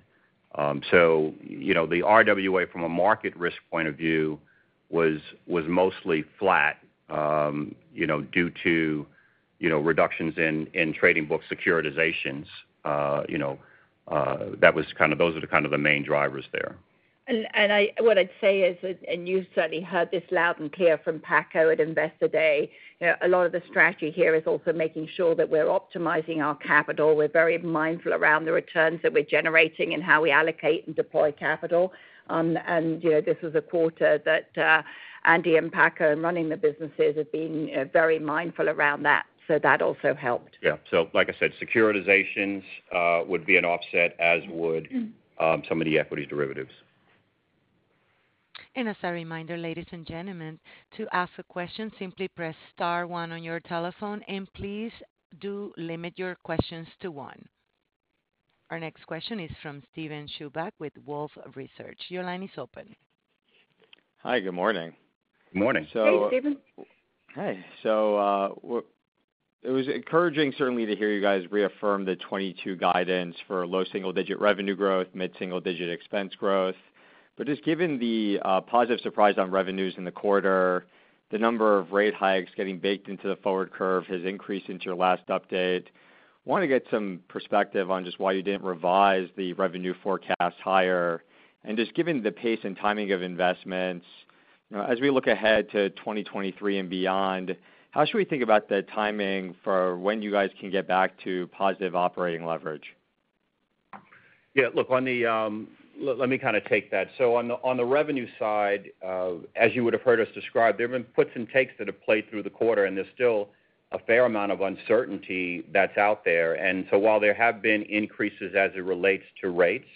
You know, the RWA from a market risk point of view was mostly flat, you know, due to reductions in trading book securitizations. You know, those are the kind of main drivers there. What I'd say is, you certainly heard this loud and clear from Paco at Investor Day, you know, a lot of the strategy here is also making sure that we're optimizing our capital. We're very mindful around the returns that we're generating and how we allocate and deploy capital. You know, this is a quarter that Andy and Paco in running the businesses have been very mindful around that, so that also helped. Yeah. Like I said, securitizations would be an offset, as would some of the equity derivatives. As a reminder, ladies and gentlemen, to ask a question, simply press star one on your telephone, and please do limit your questions to one. Our next question is from Steven Chubak with Wolfe Research. Your line is open. Hi, good morning. Good morning. Hey, Steven. Hi. It was encouraging certainly to hear you guys reaffirm the 2022 guidance for low single-digit revenue growth, mid-single-digit expense growth. Just given the positive surprise on revenues in the quarter, the number of rate hikes getting baked into the forward curve has increased since your last update. Wanna get some perspective on just why you didn't revise the revenue forecasts higher. Just given the pace and timing of investments, you know, as we look ahead to 2023 and beyond, how should we think about the timing for when you guys can get back to positive operating leverage? Yeah. Look, on the, let me kinda take that. On the revenue side, as you would have heard us describe, there have been puts and takes that have played through the quarter, and there's still a fair amount of uncertainty that's out there. While there have been increases as it relates to rates,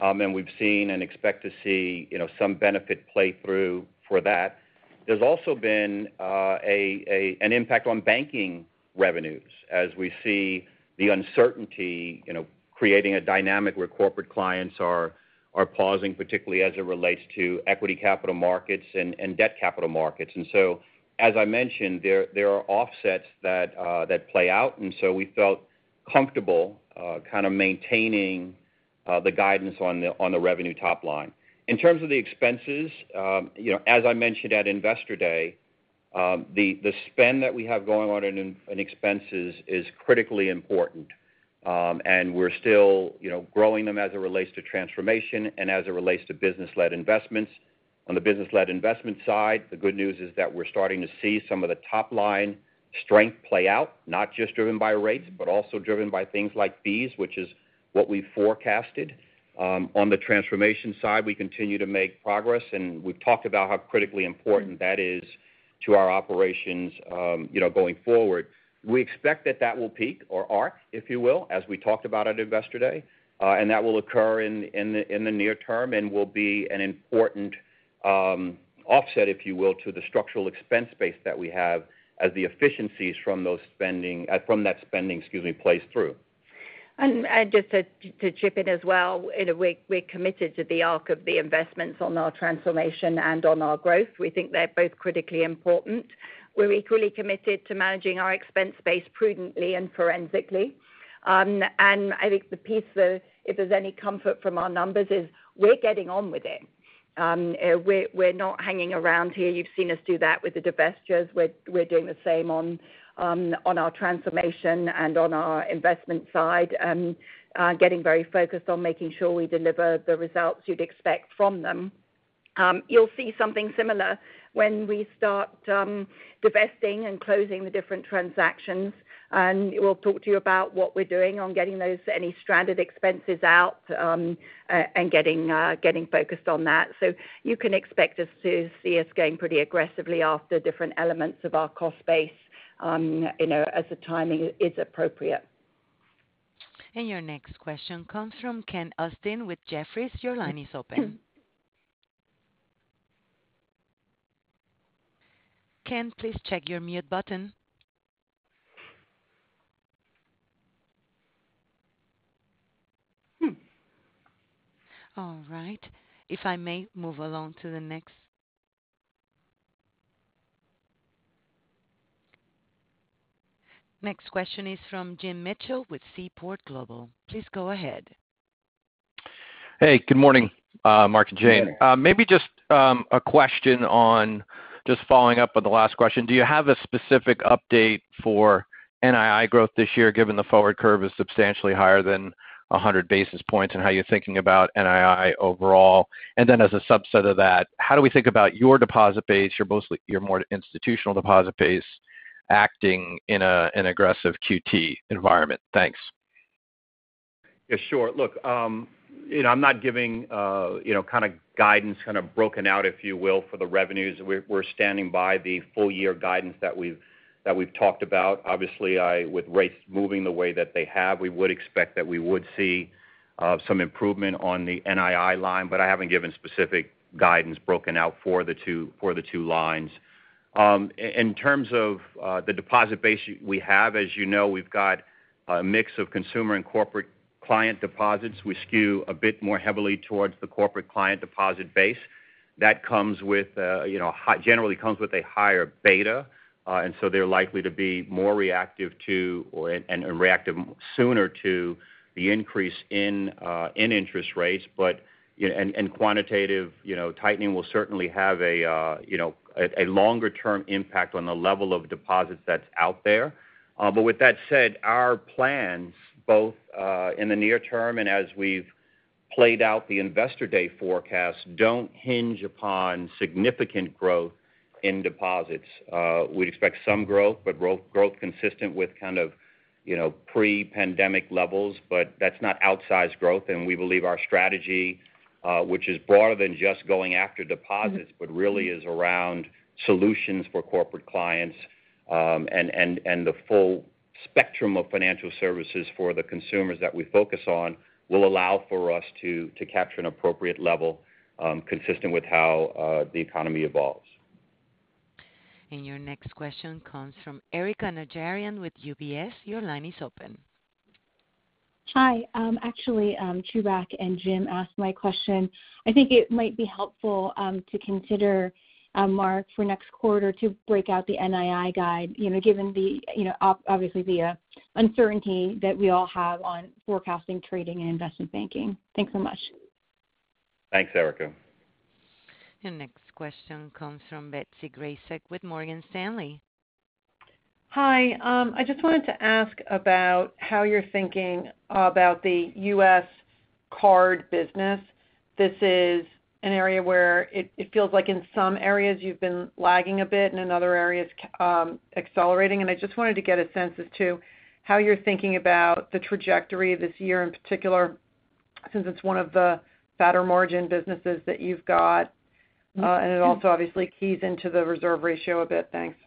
and we've seen and expect to see, you know, some benefit play through for that. There's also been an impact on banking revenues as we see the uncertainty, you know, creating a dynamic where corporate clients are pausing, particularly as it relates to equity capital markets and debt capital markets. As I mentioned, there are offsets that play out. We felt comfortable kind of maintaining the guidance on the revenue top line. In terms of the expenses, you know, as I mentioned at Investor Day, the spend that we have going on in expenses is critically important. We're still, you know, growing them as it relates to transformation and as it relates to business-led investments. On the business-led investment side, the good news is that we're starting to see some of the top line strength play out, not just driven by rates, but also driven by things like fees, which is what we forecasted. On the transformation side, we continue to make progress, and we've talked about how critically important that is to our operations, you know, going forward. We expect that will peak or arc, if you will, as we talked about at Investor Day, and that will occur in the near term and will be an important offset, if you will, to the structural expense base that we have as the efficiencies from that spending, excuse me, plays through. Just to chip in as well, you know, we're committed to the arc of the investments on our transformation and on our growth. We think they're both critically important. We're equally committed to managing our expense base prudently and forensically. I think the piece, though, if there's any comfort from our numbers, is we're getting on with it. We're not hanging around here. You've seen us do that with the divestitures. We're doing the same on our transformation and on our investment side, getting very focused on making sure we deliver the results you'd expect from them. You'll see something similar when we start divesting and closing the different transactions. We'll talk to you about what we're doing on getting those, any stranded expenses out, and getting focused on that. You can expect us to see us going pretty aggressively after different elements of our cost base, you know, as the timing is appropriate. Your next question comes from Ken Usdin with Jefferies. Your line is open. Ken, please check your mute button. All right. Next question is from James Mitchell with Seaport Global. Please go ahead. Hey, good morning, Mark and Jane. Good morning. Maybe just a question on just following up on the last question. Do you have a specific update for NII growth this year, given the forward curve is substantially higher than 100 basis points, and how you're thinking about NII overall? As a subset of that, how do we think about your deposit base, your more institutional deposit base acting in an aggressive QT environment? Thanks. Yeah, sure. Look, you know, I'm not giving, you know, kind of guidance kind of broken out, if you will, for the revenues. We're standing by the full year guidance that we've talked about. Obviously, with rates moving the way that they have, we would expect that we would see some improvement on the NII line, but I haven't given specific guidance broken out for the two lines. In terms of the deposit base we have, as you know, we've got a mix of consumer and corporate client deposits. We skew a bit more heavily towards the corporate client deposit base. That comes with, you know, generally comes with a higher beta. And so they're likely to be more reactive and reactive sooner to the increase in interest rates. You know, quantitative tightening will certainly have a longer-term impact on the level of deposits that's out there. With that said, our plans, both in the near term and as we've played out the Investor Day forecast, don't hinge upon significant growth in deposits. We'd expect some growth, but growth consistent with kind of pre-pandemic levels, but that's not outsized growth. We believe our strategy, which is broader than just going after deposits, but really is around solutions for corporate clients, and the full spectrum of financial services for the consumers that we focus on will allow for us to capture an appropriate level, consistent with how the economy evolves. Your next question comes from Erika Najarian with UBS. Your line is open. Hi. Actually, Chubak and Jim asked my question. I think it might be helpful to consider, Mark, for next quarter to break out the NII guide, you know, given the, you know, obviously the uncertainty that we all have on forecasting trading and investment banking. Thanks so much. Thanks, Erika. Next question comes from Betsy Graseck with Morgan Stanley. Hi. I just wanted to ask about how you're thinking about the U.S. card business. This is an area where it feels like in some areas you've been lagging a bit and in other areas, accelerating. I just wanted to get a sense as to how you're thinking about the trajectory this year in particular, since it's one of the fatter margin businesses that you've got. It also obviously keys into the reserve ratio a bit. Thanks.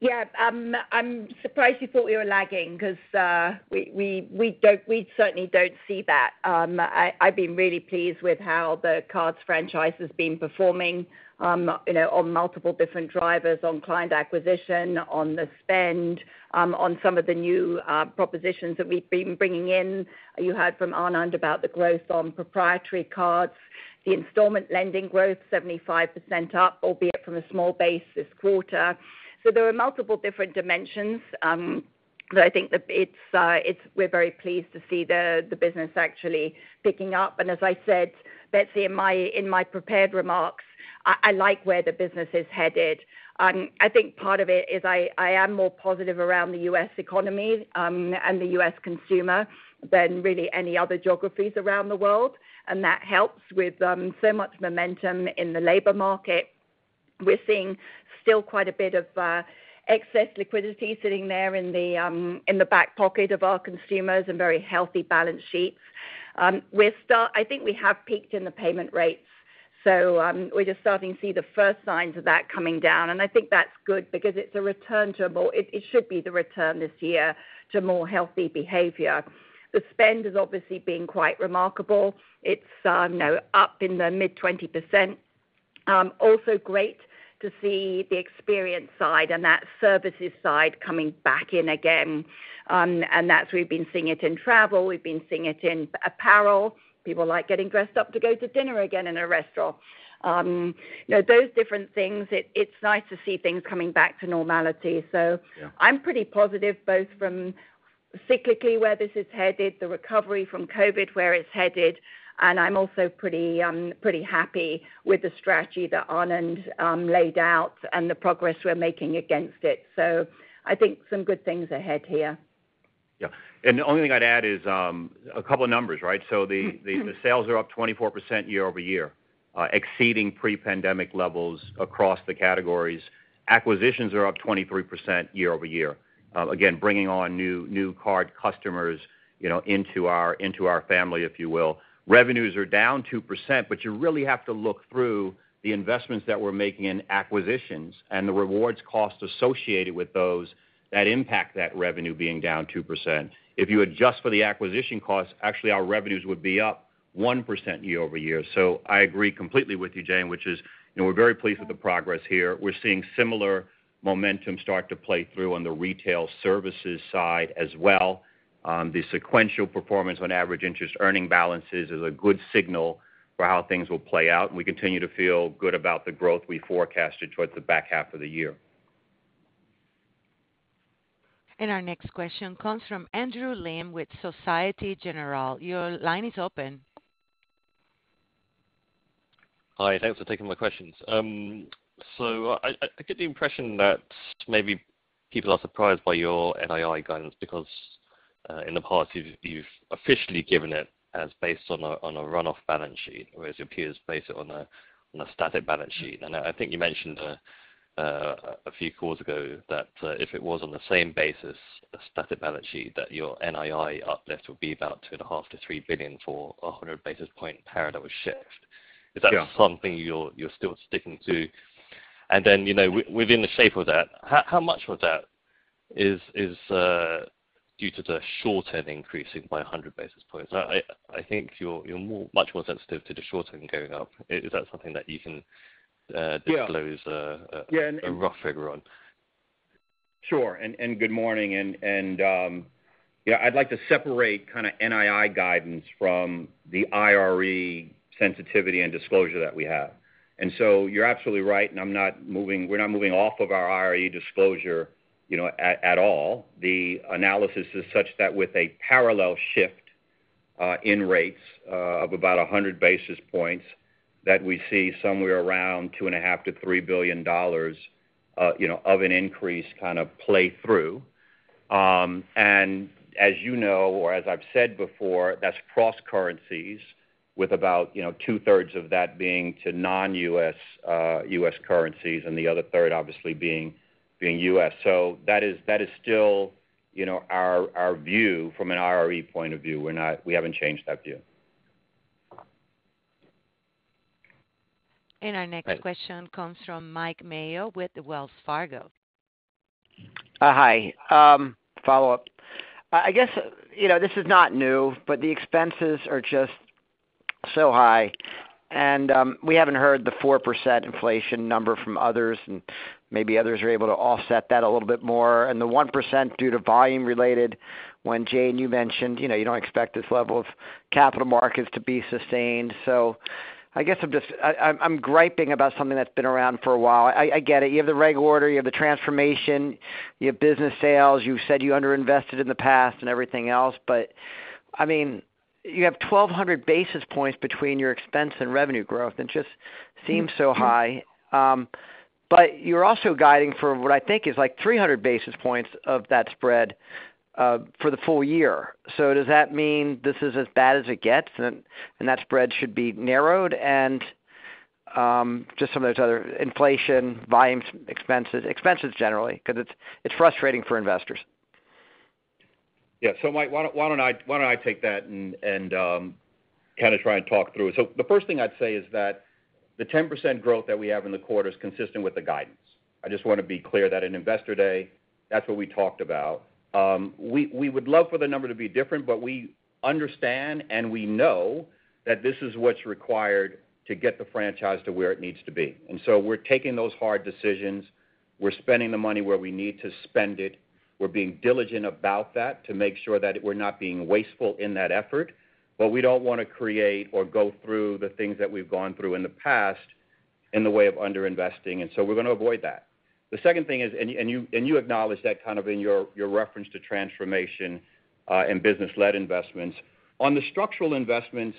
Yeah. I'm surprised you thought we were lagging because, we certainly don't see that. I've been really pleased with how the cards franchise has been performing, you know, on multiple different drivers, on client acquisition, on the spend, on some of the new propositions that we've been bringing in. You heard from Anand about the growth on proprietary cards. The installment lending growth, 75% up, albeit from a small base this quarter. There are multiple different dimensions, that I think we're very pleased to see the business actually picking up. As I said, Betsy, in my prepared remarks, I like where the business is headed. I think part of it is I am more positive around the U.S. economy and the U.S. consumer than really any other geographies around the world, and that helps with so much momentum in the labor market. We're seeing still quite a bit of excess liquidity sitting there in the back pocket of our consumers and very healthy balance sheets. I think we have peaked in the payment rates, so we're just starting to see the first signs of that coming down, and I think that's good because it's a return to a more. It should be the return this year to more healthy behavior. The spend has obviously been quite remarkable. It's you know, up in the mid-20%. Also great to see the experience side and that services side coming back in again. That's where we've been seeing it in travel. We've been seeing it in apparel. People like getting dressed up to go to dinner again in a restaurant. You know, those different things. It's nice to see things coming back to normality. Yeah. I'm pretty positive both from cyclically, where this is headed, the recovery from COVID, where it's headed, and I'm also pretty happy with the strategy that Anand laid out and the progress we're making against it. I think some good things ahead here. Yeah. The only thing I'd add is, a couple of numbers, right? Mm-hmm. The sales are up 24% year-over-year, exceeding pre-pandemic levels across the categories. Acquisitions are up 23% year-over-year. Again, bringing on new card customers, you know, into our family, if you will. Revenues are down 2%, but you really have to look through the investments that we're making in acquisitions and the rewards cost associated with those that impact that revenue being down 2%. If you adjust for the acquisition costs, actually, our revenues would be up 1% year-over-year. I agree completely with you, Jane, which is, you know, we're very pleased with the progress here. We're seeing similar momentum start to play through on the Retail Services side as well. The sequential performance on average interest earning balances is a good signal for how things will play out. We continue to feel good about the growth we forecasted towards the back half of the year. Our next question comes from Andrew Lim with Société Générale. Your line is open. Hi, thanks for taking my questions. I get the impression that maybe people are surprised by your NII guidance because in the past you've officially given it as based on a runoff balance sheet, whereas your peers base it on a static balance sheet. I think you mentioned a few calls ago that if it was on the same basis, a static balance sheet, that your NII uplift would be about $2.5 billion-$3 billion for a 100 basis point parallel shift. Yeah. Is that something you're still sticking to? Then, you know, within the shape of that, how much of that is due to the short-term increasing by 100 basis points? I think you're much more sensitive to the short-term going up. Is that something that you can Yeah. -disclose a- Yeah. a rough figure on? Sure. Good morning. I'd like to separate kind of NII guidance from the IRE sensitivity and disclosure that we have. You're absolutely right, and we're not moving off of our IRE disclosure, you know, at all. The analysis is such that with a parallel shift in rates of about 100 basis points that we see somewhere around $2.5 billion-$3 billion of an increase kind of play through. As you know or as I've said before, that's cross-currencies with about two-thirds of that being to non-U.S. currencies, and the other third obviously being U.S. That is still our view from an IRE point of view. We haven't changed that view. Right. Our next question comes from Mike Mayo with Wells Fargo. Follow-up. I guess, you know, this is not new, but the expenses are just so high, and we haven't heard the 4% inflation number from others, and maybe others are able to offset that a little bit more. The 1% due to volume-related, when Jane, you mentioned, you know, you don't expect this level of capital markets to be sustained. I guess I'm just griping about something that's been around for a while. I get it. You have the reg order, you have the transformation, you have business sales. You said you underinvested in the past and everything else, but, I mean, you have 1,200 basis points between your expense and revenue growth. It just seems so high. You're also guiding for what I think is like 300 basis points of that spread for the full year. Does that mean this is as bad as it gets and that spread should be narrowed? Just some of those other inflation, volumes, expenses generally, because it's frustrating for investors. Yeah. Mike, why don't I take that and kind of try and talk through it. The first thing I'd say is that the 10% growth that we have in the quarter is consistent with the guidance. I just wanna be clear that in Investor Day, that's what we talked about. We would love for the number to be different, but we understand, and we know that this is what's required to get the franchise to where it needs to be. We're taking those hard decisions. We're spending the money where we need to spend it. We're being diligent about that to make sure that we're not being wasteful in that effort, but we don't wanna create or go through the things that we've gone through in the past in the way of under-investing, and so we're gonna avoid that. The second thing is, you acknowledge that kind of in your reference to transformation, and business-led investments. On the structural investments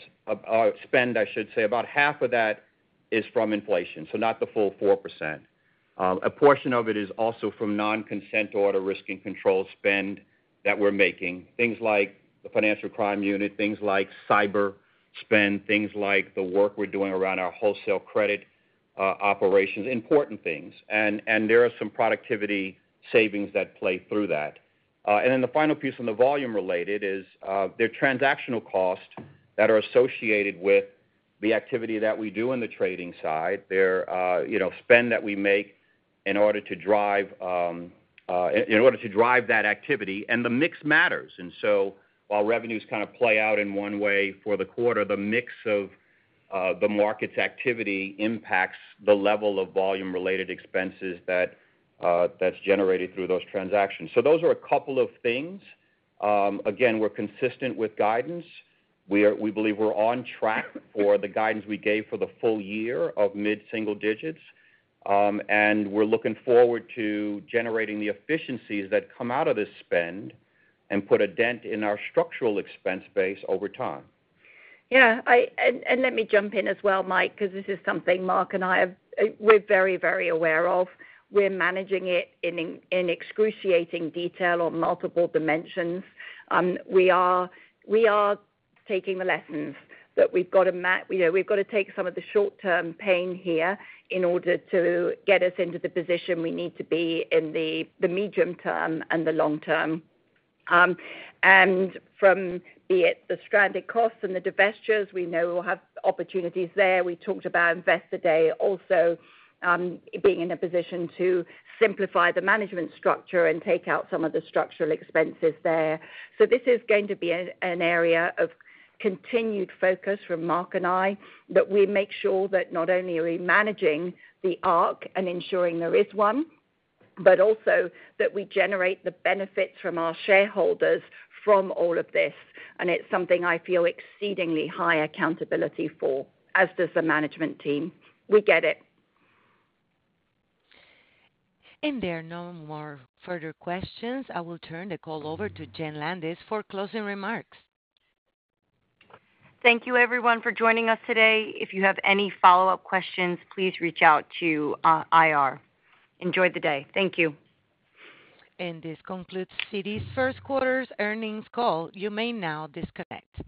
spend, I should say, about half of that is from inflation, so not the full 4%. A portion of it is also from consent order risk and control spend that we're making. Things like the financial crime unit, things like cyber spend, things like the work we're doing around our wholesale credit operations, important things. There are some productivity savings that play through that. The final piece on the volume related is, there are transactional costs that are associated with the activity that we do on the trading side. There are, you know, spend that we make in order to drive that activity and the mix matters. While revenues kind of play out in one way for the quarter, the mix of the markets activity impacts the level of volume-related expenses that that's generated through those transactions. Those are a couple of things. Again, we're consistent with guidance. We believe we're on track for the guidance we gave for the full year of mid-single digits. We're looking forward to generating the efficiencies that come out of this spend and put a dent in our structural expense base over time. Let me jump in as well, Mike, 'cause this is something Mark and I have. We're very, very aware of. We're managing it in excruciating detail on multiple dimensions. We are taking the lessons that we've got to, you know, we've got to take some of the short-term pain here in order to get us into the position we need to be in the medium term and the long term. From be it the stranded costs and the divestitures, we know we'll have opportunities there. We talked about Investor Day also, being in a position to simplify the management structure and take out some of the structural expenses there. This is going to be an area of continued focus from Mark and I, that we make sure that not only are we managing the risk and ensuring there is one, but also that we generate the benefits for our shareholders from all of this. It's something I feel exceedingly high accountability for, as does the management team. We get it. There are no more further questions. I will turn the call over to Jenn Landis for closing remarks. Thank you everyone for joining us today. If you have any follow-up questions, please reach out to IR. Enjoy the day. Thank you. This concludes Citi's first quarter's earnings call. You may now disconnect.